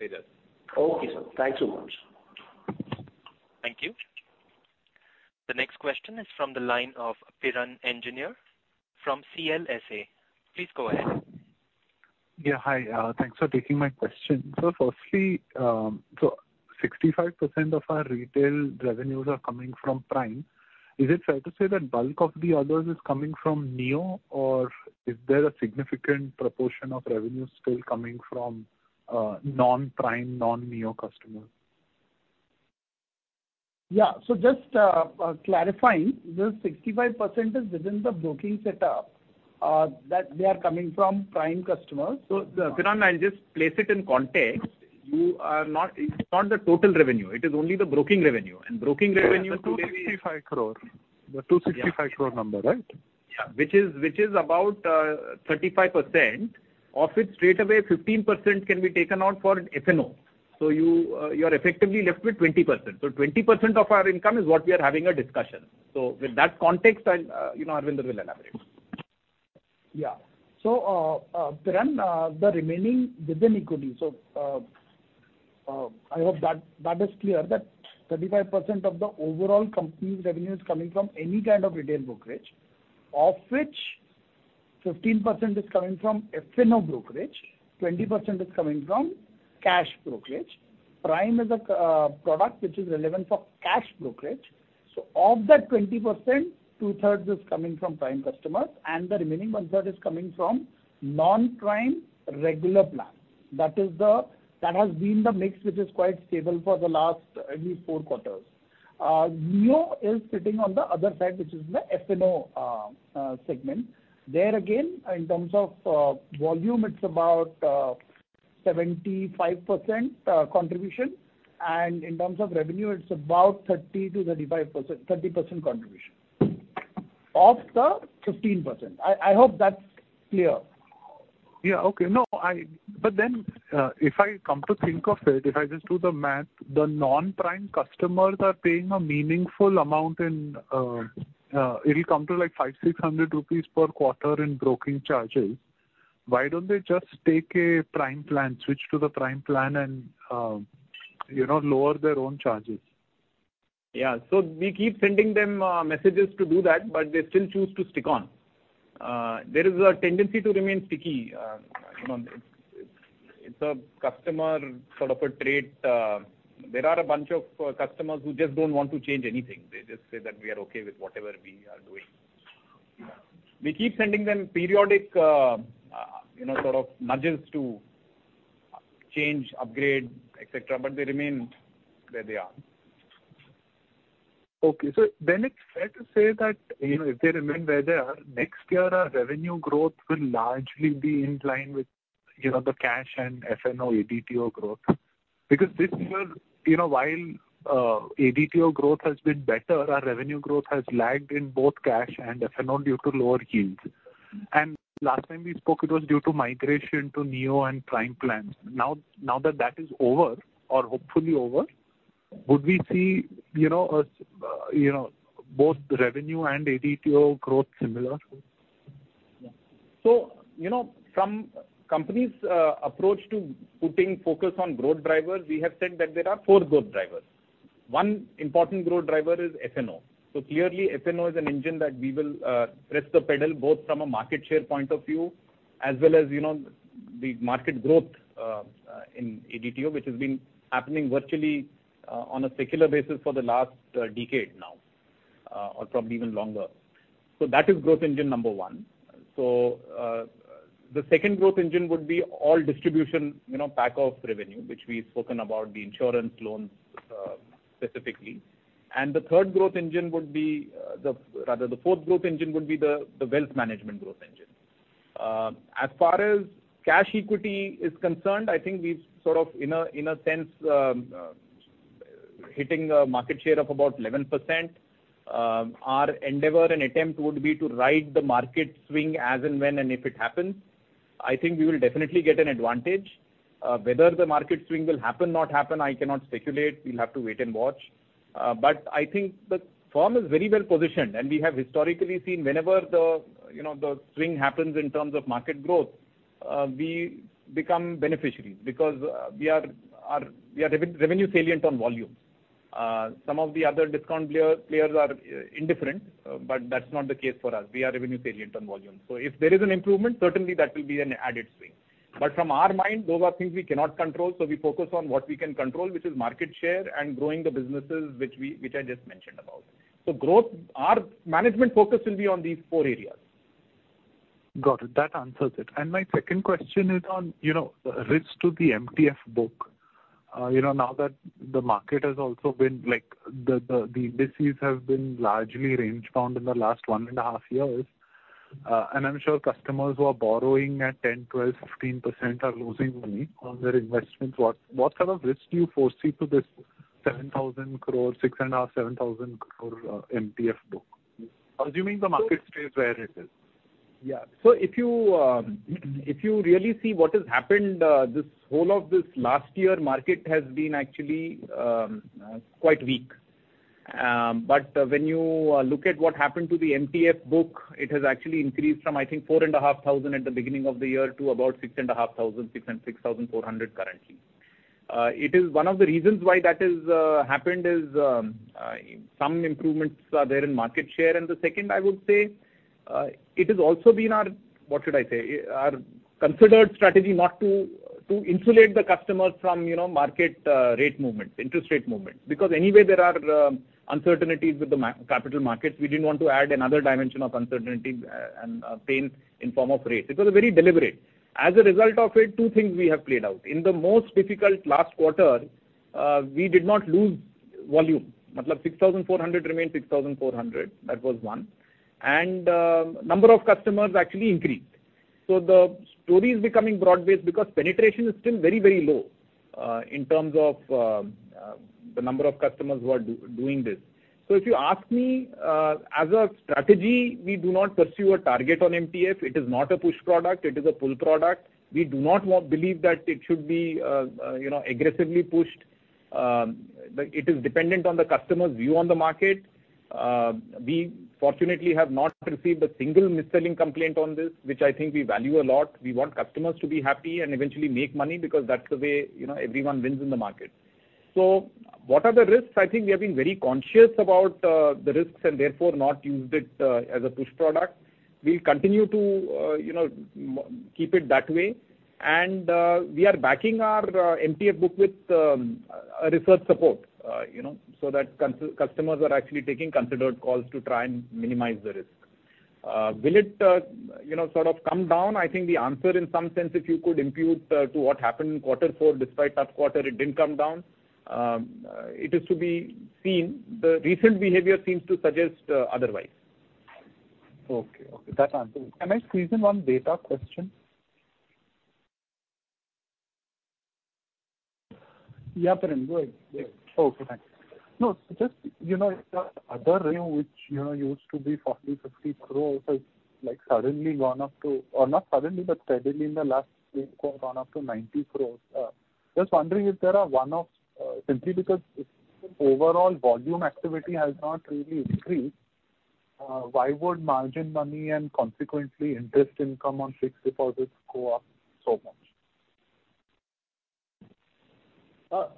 Aejas. Okay, sir. Thanks so much. Thank you. The next question is from the line of Piran Engineer from CLSA. Please go ahead. Yeah, hi. Thanks for taking my question. Firstly, 65% of our retail revenues are coming from Prime. Is it fair to say that bulk of the others is coming from Neo or is there a significant proportion of revenue still coming from non-Prime, non-Neo customers? Yeah. just clarifying, the 65% is within the broking setup, that they are coming from Prime customers. Piran, I'll just place it in context. It's not the total revenue, it is only the broking revenue. broking revenue- The 265 crore. The 265 crore number, right? Yeah. Which is about 35%. Of it, straightaway 15% can be taken out for F&O. You, you're effectively left with 20%. 20% of our income is what we are having a discussion. With that context then, you know, Harvinder will elaborate. Piran, the remaining within equity. I hope that is clear that 35% of the overall company's revenue is coming from any kind of retail brokerage, of which 15% is coming from F&O brokerage, 20% is coming from cash brokerage. Prime is a product which is relevant for cash brokerage. Of that 20%, two-thirds is coming from Prime customers and the remaining one-third is coming from non-Prime regular plan. That has been the mix which is quite stable for the last at least four quarters. Neo is sitting on the other side, which is the F&O segment. There again, in terms of volume it's about 75% contribution and in terms of revenue it's about 30%-35%, 30% contribution of the 15%. I hope that's clear. Yeah. Okay. If I come to think of it, if I just do the math, the non-Prime customers are paying a meaningful amount in, it'll come to like 500-600 rupees per quarter in broking charges. Why don't they just take a Prime plan, switch to the Prime plan and, you know, lower their own charges? Yeah. We keep sending them messages to do that, but they still choose to stick on. There is a tendency to remain sticky. You know, it's, it's a customer sort of a trait. There are a bunch of customers who just don't want to change anything. They just say that we are okay with whatever we are doing. We keep sending them periodic, you know, sort of nudges to change, upgrade, et cetera, but they remain where they are. Okay. It's fair to say that, you know, if they remain where they are, next year our revenue growth will largely be in line with, you know, the cash and F&O ADTO growth. This year, you know, while ADTO growth has been better, our revenue growth has lagged in both cash and F&O due to lower yields. Last time we spoke, it was due to migration to Neo and Prime plans. Now that that is over or hopefully over, would we see, you know, you know, both revenue and ADTO growth similar? You know, from company's approach to putting focus on growth drivers, we have said that there are four growth drivers. One important growth driver is FNO. Clearly, FNO is an engine that we will press the pedal both from a market share point of view as well as, you know, the market growth in ADTO, which has been happening virtually on a secular basis for the last decade now or probably even longer. That is growth engine number one. The second growth engine would be all distribution, you know, pack off revenue, which we've spoken about the insurance loans specifically. The third growth engine would be Rather the fourth growth engine would be the wealth management growth engine. As far as cash equity is concerned, I think we've sort of in a sense hitting a market share of about 11%. Our endeavor and attempt would be to ride the market swing as and when and if it happens. I think we will definitely get an advantage. Whether the market swing will happen, not happen, I cannot speculate. We'll have to wait and watch. I think the firm is very well positioned, and we have historically seen whenever the, you know, the swing happens in terms of market growth, we become beneficiaries because we are, we are revenue salient on volume. Some of the other discount players are indifferent, but that's not the case for us. We are revenue salient on volume. If there is an improvement, certainly that will be an added swing. From our mind, those are things we cannot control, so we focus on what we can control, which is market share and growing the businesses which I just mentioned about. Growth, our management focus will be on these four areas. Got it. That answers it. My second question is on, you know, risk to the MTF book. You know, now that the market has also been like the indices have been largely range bound in the last 1.5 years. I'm sure customers who are borrowing at 10%, 12%, 15% are losing money on their investments. What kind of risk do you foresee to this 7,000 crore, 6,500-7,000 crore MTF book? Assuming the market stays where it is. If you really see what has happened, this whole of this last year, market has been actually quite weak. When you look at what happened to the MTF book, it has actually increased from, I think, four and a half thousand at the beginning of the year to about six and a half thousand, 6,400 currently. It is one of the reasons why that is happened is, some improvements are there in market share. The second I would say, it has also been our considered strategy not to insulate the customers from, you know, market rate movements, interest rate movements. Anyway, there are uncertainties with the capital markets. We didn't want to add another dimension of uncertainty and pain in form of rates. It was very deliberate. As a result of it, two things we have played out. In the most difficult last quarter, we did not lose volume. 6,400 remained 6,400. That was one. Number of customers actually increased. The story is becoming broad-based because penetration is still very, very low, in terms of the number of customers who are doing this. If you ask me, as a strategy, we do not pursue a target on MTF. It is not a push product, it is a pull product. We do not believe that it should be, you know, aggressively pushed. It is dependent on the customer's view on the market. We fortunately have not received a single mis-selling complaint on this, which I think we value a lot. We want customers to be happy and eventually make money because that's the way, you know, everyone wins in the market. What are the risks? I think we have been very conscious about the risks and therefore not used it as a push product. We'll continue to, you know, keep it that way. We are backing our MTF book with a research support, you know, so that customers are actually taking considered calls to try and minimize the risk. Will it, you know, sort of come down? I think the answer in some sense, if you could impute to what happened in quarter four, despite tough quarter, it didn't come down. It is to be seen. The recent behavior seems to suggest otherwise. Okay. Okay. That answers it. Can I squeeze in one data question? Yeah, sure. Go ahead. Yeah. Okay. Thanks. No, just, you know, the other revenue which, you know, used to be 40-50 crores has like suddenly gone up to or not suddenly, but steadily in the last 3 quarter gone up to 90 crores. Just wondering if there are one-off, simply because if overall volume activity has not really increased, why would margin money and consequently interest income on fixed deposits go up so much?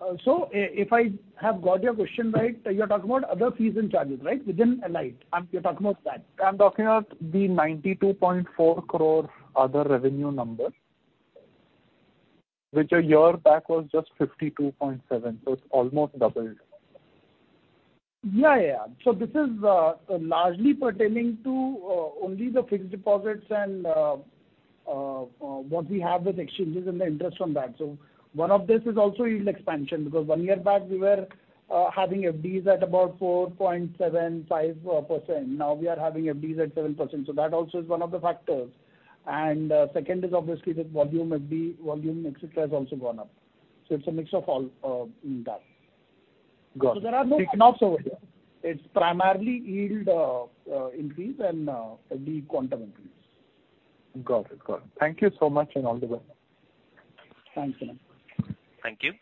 If I have got your question right, you're talking about other fees and charges, right? Within Allied, you're talking about that. I'm talking about the 92.4 crore other revenue number. Which a year back was just 52.7, so it's almost doubled. Yeah, yeah. This is largely pertaining to only the fixed deposits and what we have with exchanges and the interest from that. One of this is also yield expansion because one year back we were having FDs at about 4.75%. Now we are having FDs at 7%, that also is one of the factors. Second is obviously the volume FD, volume et cetera has also gone up. It's a mix of all that. Got it. There are no trade-offs over here. It's primarily yield, increase and, the quantum increase. Got it. Got it. Thank you so much. All the best. Thanks. Thank you.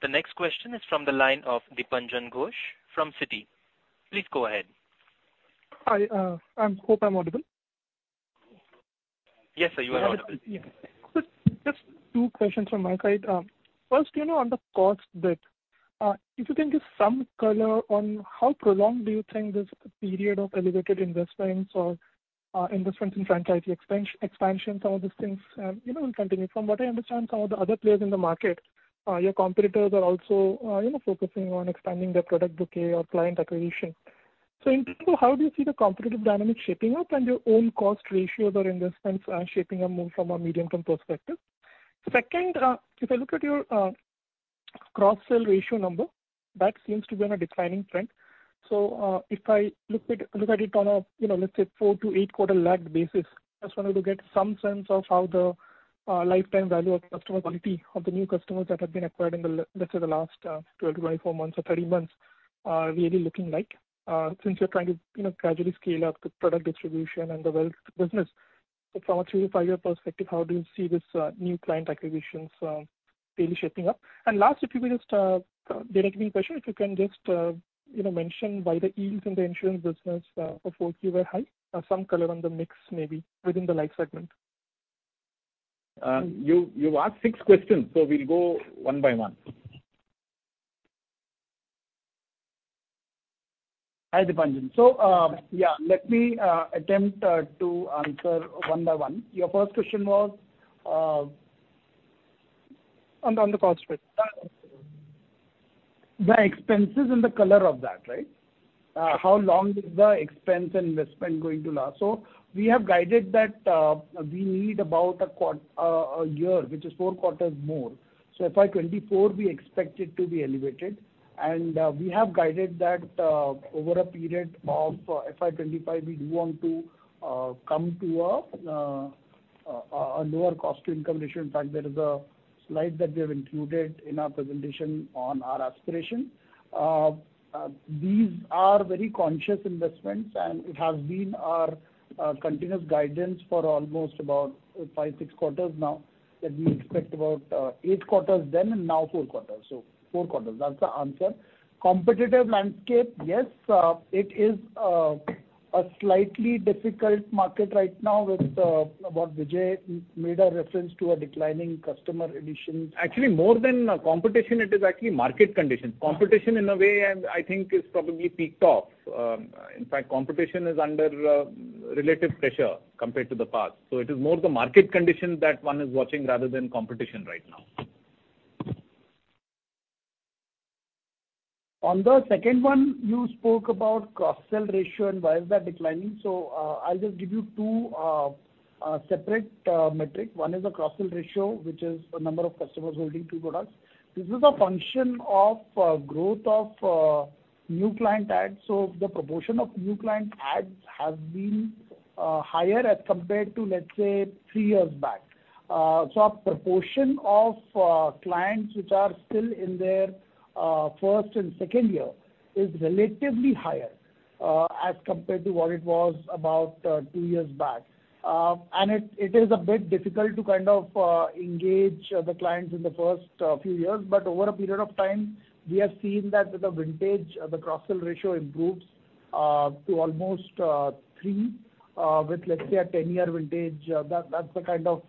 The next question is from the line of Dipanjan Ghosh from Citi. Please go ahead. Hi. I hope I'm audible. Yes, sir, you are audible. Just two questions from my side. first, you know, on the cost bit, if you can give some color on how prolonged do you think this period of elevated investments or investments in franchise expansions or these things, you know, will continue? From what I understand from all the other players in the market, your competitors are also, you know, focusing on expanding their product bouquet or client acquisition. In particular, how do you see the competitive dynamic shaping up and your own cost ratios or investments, shaping or move from a medium-term perspective? Second, if I look at your cross-sell ratio number, that seems to be on a declining trend. If I look at it on a, you know, let's say 4-8 quarter lagged basis, I just wanted to get some sense of how the lifetime value of customer quality of the new customers that have been acquired in the let's say the last 12-24 months or 30 months are really looking like, since you're trying to, you know, gradually scale up the product distribution and the wealth business. From a 3-5 year perspective, how do you see this new client acquisitions really shaping up? Last, if you can just, you know, mention why the yields in the insurance business for Q were high. Some color on the mix maybe within the life segment. You've asked 6 questions. We'll go 1 by 1. Hi, Dipanjan. Yeah, let me attempt to answer one by one. Your first question was. On the cost bit. The expenses and the color of that, right? How long is the expense investment going to last? We have guided that we need about a year, which is four quarters more. FY 2024 we expect it to be elevated and we have guided that over a period of FY 2025 we do want to come to a lower cost to income ratio. In fact, there is a slide that we have included in our presentation on our aspiration. These are very conscious investments, and it has been our continuous guidance for almost about five, six quarters now, that we expect about 8 quarters then and now four quarters. Four quarters, that's the answer. Competitive landscape, yes, it is a slightly difficult market right now with what Vijay made a reference to a declining customer additions. Actually, more than competition, it is actually market condition. Competition in a way, I think has probably peaked off. In fact, competition is under relative pressure compared to the past. It is more the market condition that one is watching rather than competition right now. On the second one you spoke about cross-sell ratio and why is that declining. I'll just give you 2 separate metric. One is the cross-sell ratio, which is the number of customers holding 2 products. This is a function of growth of new client adds. The proportion of new client adds has been higher as compared to, let's say, 3 years back. A proportion of clients which are still in their first and second year is relatively higher as compared to what it was about 2 years back. It is a bit difficult to kind of engage the clients in the first few years. Over a period of time, we have seen that with the vintage, the cross-sell ratio improves to almost 3 with, let's say, a 10-year vintage. That's the kind of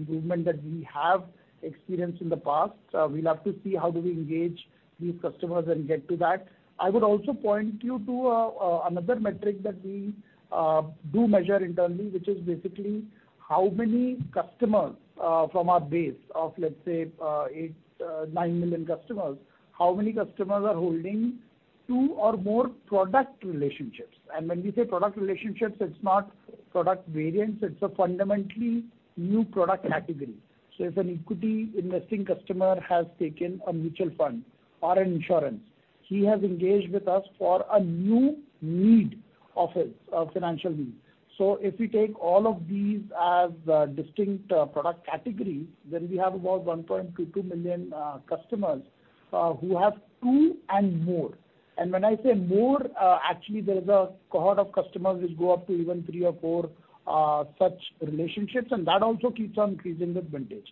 improvement that we have experienced in the past. We'll have to see how do we engage these customers and get to that. I would also point you to another metric that we do measure internally, which is basically how many customers from our base of, let's say, 8 million-9 million customers, how many customers are holding 2 or more product relationships. When we say product relationships, it's not product variants, it's a fundamentally new product category. If an equity investing customer has taken a mutual fund or an insurance, he has engaged with us for a new need of his financial need. If we take all of these as distinct product categories, then we have about 1.22 million customers who have 2 and more. When I say more, actually there is a cohort of customers which go up to even 3 or 4 such relationships, and that also keeps on increasing with vintage.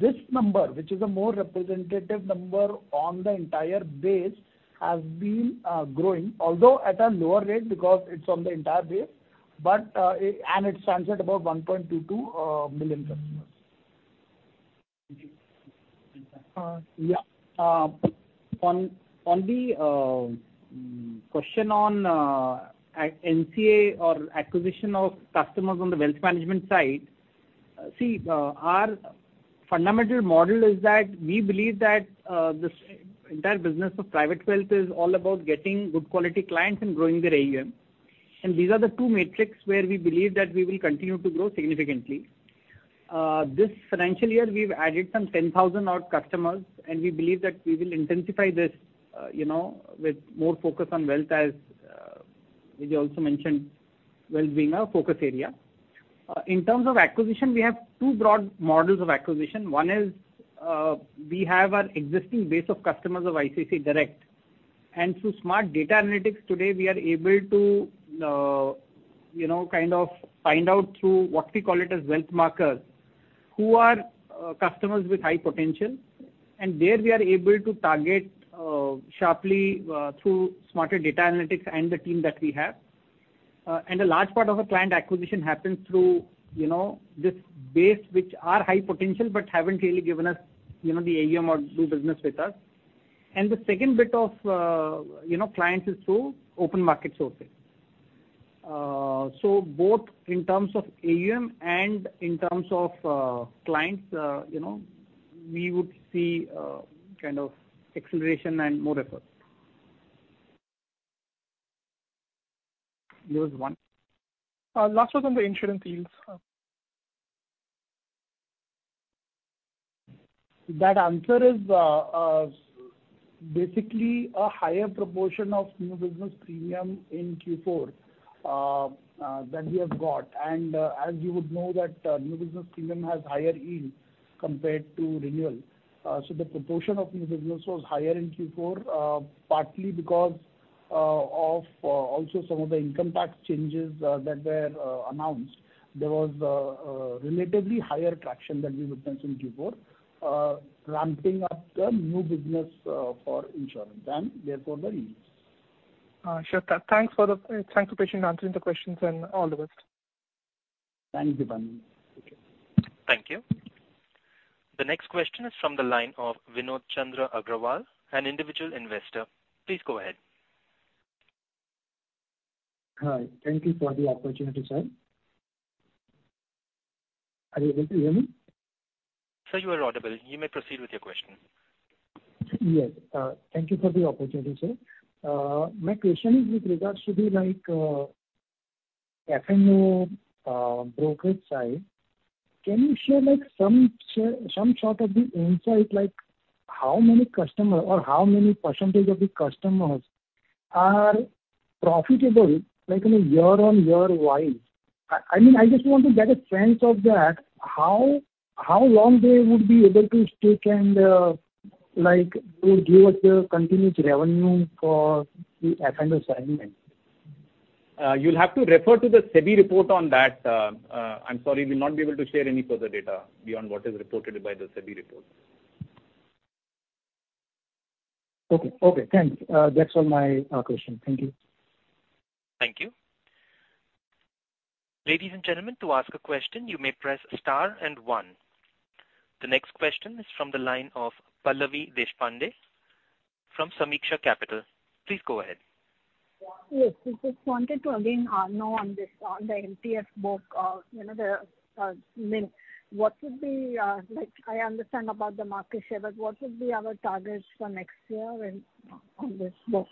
This number, which is a more representative number on the entire base, has been growing, although at a lower rate because it's on the entire base. And it stands at about 1.22 million customers. Yeah. On the question on at NCA or acquisition of customers on the wealth management side. See, our fundamental model is that we believe that this entire business of private wealth is all about getting good quality clients and growing their AUM. These are the two metrics where we believe that we will continue to grow significantly. This financial year, we've added some 10,000 odd customers, and we believe that we will intensify this, you know, with more focus on wealth as Vijay also mentioned, wealth being our focus area. In terms of acquisition, we have two broad models of acquisition. One is, we have our existing base of customers of ICICI Direct and through smart data analytics today, we are able to, you know, kind of find out through what we call it as wealth markers, who are customers with high potential. There we are able to target, sharply, through smarter data analytics and the team that we have. A large part of our client acquisition happens through, you know, this base which are high potential but haven't really given us, you know, the AUM or do business with us. The second bit of, you know, clients is through open market sources. Both in terms of AUM and in terms of, clients, you know, we would see, kind of acceleration and more effort. There was one. Last was on the insurance yields. That answer is basically a higher proportion of new business premium in Q4 that we have got. As you would know that new business premium has higher yield compared to renewal. The proportion of new business was higher in Q4 partly because of also some of the income tax changes that were announced. There was relatively higher traction than we would mention in Q4 ramping up the new business for insurance and therefore the yields. Sure. Thanks for patiently answering the questions and all the best. Thank you, Dipanjan. Thank you. The next question is from the line of Vinod Chandra Agrawal, an individual investor. Please go ahead. Hi. Thank you for the opportunity, sir. Are you able to hear me? Sir, you are audible. You may proceed with your question. Yes. Thank you for the opportunity, sir. My question is with regards to the, like, F&O brokerage side. Can you share, like, some sort of the insight, like how many customer or how many % of the customers are profitable, like, I mean, year-on-year wide? I mean, I just want to get a sense of that, how long they would be able to stick and, like, would give us a continued revenue for the F&O segment? You'll have to refer to the SEBI report on that. I'm sorry, we'll not be able to share any further data beyond what is reported by the SEBI report. Okay. Okay, thanks. That's all my question. Thank you. Thank you. Ladies and gentlemen, to ask a question, you may press star and one. The next question is from the line of Pallavi Deshpande from Sameeksha Capital. Please go ahead. Yes. We just wanted to again, know on this, on the MTF book, you know, I mean, what would be, like, I understand about the market share, but what would be our targets for next year when on this book?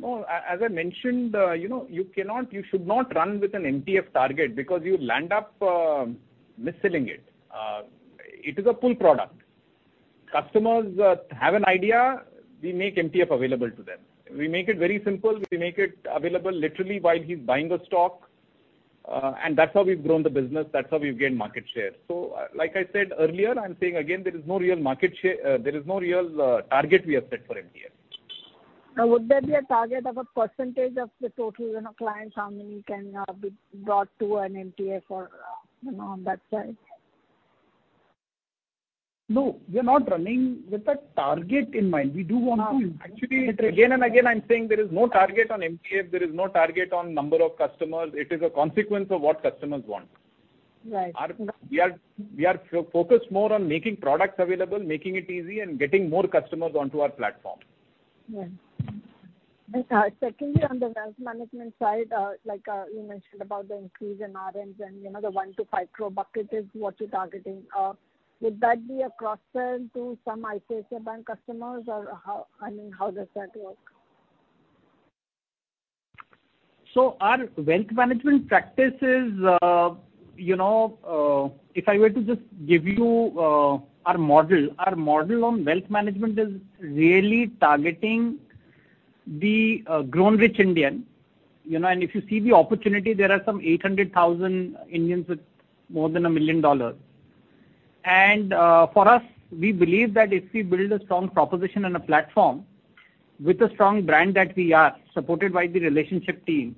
No, as I mentioned, you know, you cannot, you should not run with an MTF target because you'll land up misselling it. It is a pull product. Customers have an idea, we make MTF available to them. We make it very simple. We make it available literally while he's buying a stock. That's how we've grown the business. That's how we've gained market share. Like I said earlier, I'm saying again, there is no real market there is no real target we have set for MTF. Would there be a target of a percentage of the total, you know, clients, how many can be brought to an MTF or, you know, on that side? No, we are not running with a target in mind. We do want. No. Actually, again and again, I'm saying there is no target on MTF. There is no target on number of customers. It is a consequence of what customers want. Right. We are focused more on making products available, making it easy, and getting more customers onto our platform. Yeah. Secondly, on the wealth management side, like, you mentioned about the increase in RMs and, you know, the 1 crore-5 crore bucket is what you're targeting. Would that be a cross-sell to some ICICI Bank customers or how, I mean, how does that work? Our wealth management practice is, you know, if I were to just give you our model. Our model on wealth management is really targeting the grown rich Indian. You know, if you see the opportunity, there are some 800,000 Indians with more than $1 million. For us, we believe that if we build a strong proposition and a platform with a strong brand that we are supported by the relationship team,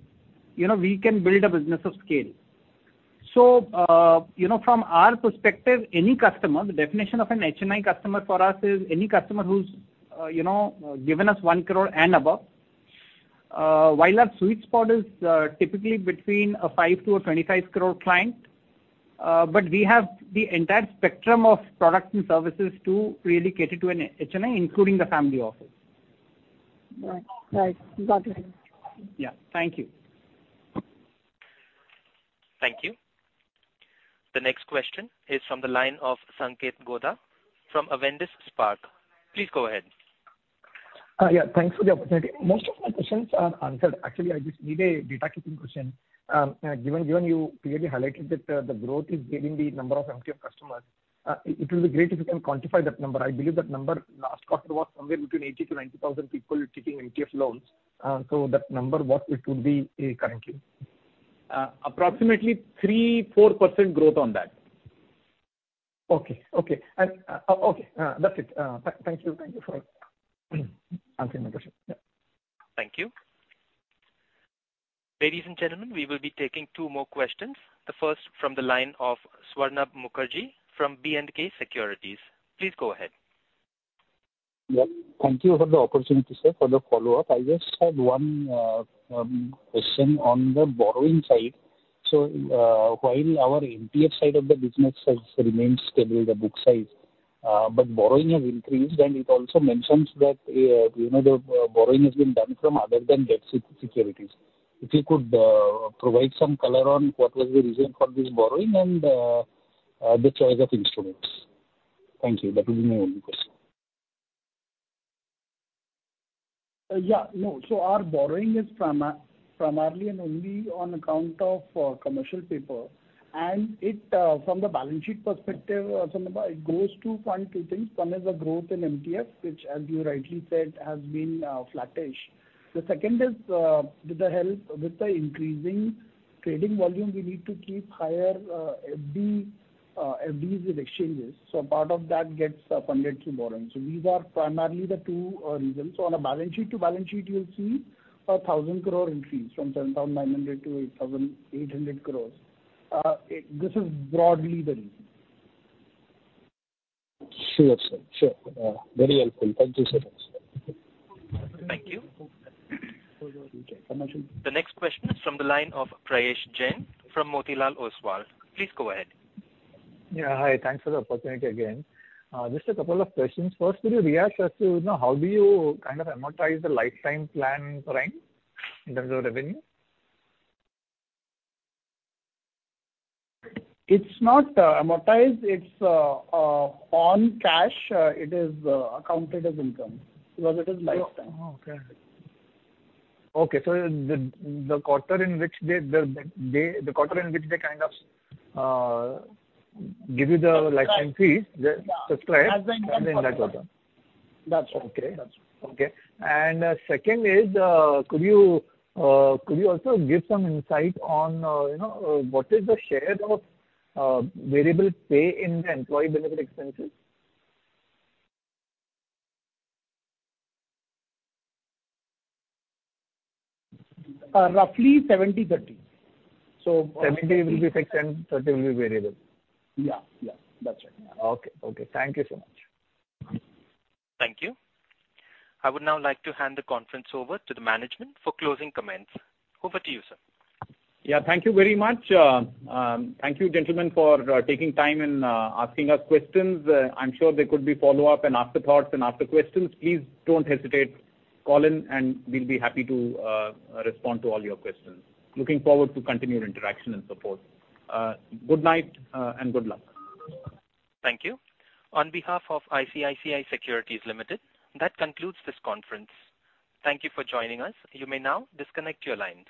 you know, we can build a business of scale. You know, from our perspective, any customer, the definition of an HNI customer for us is any customer who's, you know, given us 1 crore and above. While our sweet spot is, typically between 5 crore-25 crore client, we have the entire spectrum of products and services to really cater to an HNI, including the family office. Right. Right. Got it. Yeah. Thank you. Thank you. The next question is from the line of Sanketh Godha from Avendus Spark. Please go ahead. Yeah, thanks for the opportunity. Most of my questions are answered. Actually, I just need a data keeping question. Given you clearly highlighted that, the growth is giving the number of MTF customers, it will be great if you can quantify that number. I believe that number last quarter was somewhere between 80,000-90,000 people taking MTF loans. So that number, what it would be, currently. Approximately 3%-4% growth on that. Okay. Okay. Okay. That's it. Thank you. Thank you for answering my question. Yeah. Thank you. Ladies and gentlemen, we will be taking two more questions. The first from the line of Swarnabha Mukherjee from B&K Securities. Please go ahead. Yeah. Thank you for the opportunity, sir, for the follow-up. I just had one question on the borrowing side. While our MTF side of the business has remained stable, the book size, but borrowing has increased, and it also mentions that, you know, the borrowing has been done from other than debt securities. If you could provide some color on what was the reason for this borrowing and the choice of instruments. Thank you. That will be my only question. No. Our borrowing is primarily and only on account of commercial paper. It, from the balance sheet perspective, Swarnab, it goes to point two things. One is the growth in MTF, which as you rightly said, has been flattish. The second is, with the increasing trading volume, we need to keep higher FDs with exchanges, so part of that gets funded through borrowing. These are primarily the two reasons. On a balance sheet to balance sheet, you'll see a 1,000 crore increase from 7,900 to 8,800 crore. This is broadly the reason. Sure, sir. Sure. very helpful. Thank you so much, sir. Thank you. Okay. Permission. The next question is from the line of Prayesh Jain from Motilal Oswal. Please go ahead. Hi. Thanks for the opportunity again. Just a couple of questions. First, could you react as to, you know, how do you kind of amortize the lifetime plan Prime in terms of revenue? It's not amortized. It's on cash. It is accounted as income because it is lifetime. Oh, okay. Okay. The quarter in which they kind of give you the license fees... Subscribe. Yeah. they subscribe As the income. as the income. That's right. Okay. That's right. Okay. Second is, could you also give some insight on, you know, what is the share of variable pay in the employee benefit expenses? roughly 70/30. 70 will be fixed and 30 will be variable. Yeah. Yeah. That's right. Okay. Okay. Thank you so much. Thank you. I would now like to hand the conference over to the management for closing comments. Over to you, sir. Yeah. Thank you very much. Thank you, gentlemen, for taking time and asking us questions. I'm sure there could be follow-up and after thoughts and after questions. Please don't hesitate. Call in, and we'll be happy to respond to all your questions. Looking forward to continued interaction and support. Good night, and good luck. Thank you. On behalf of ICICI Securities Limited, that concludes this conference. Thank you for joining us. You may now disconnect your lines.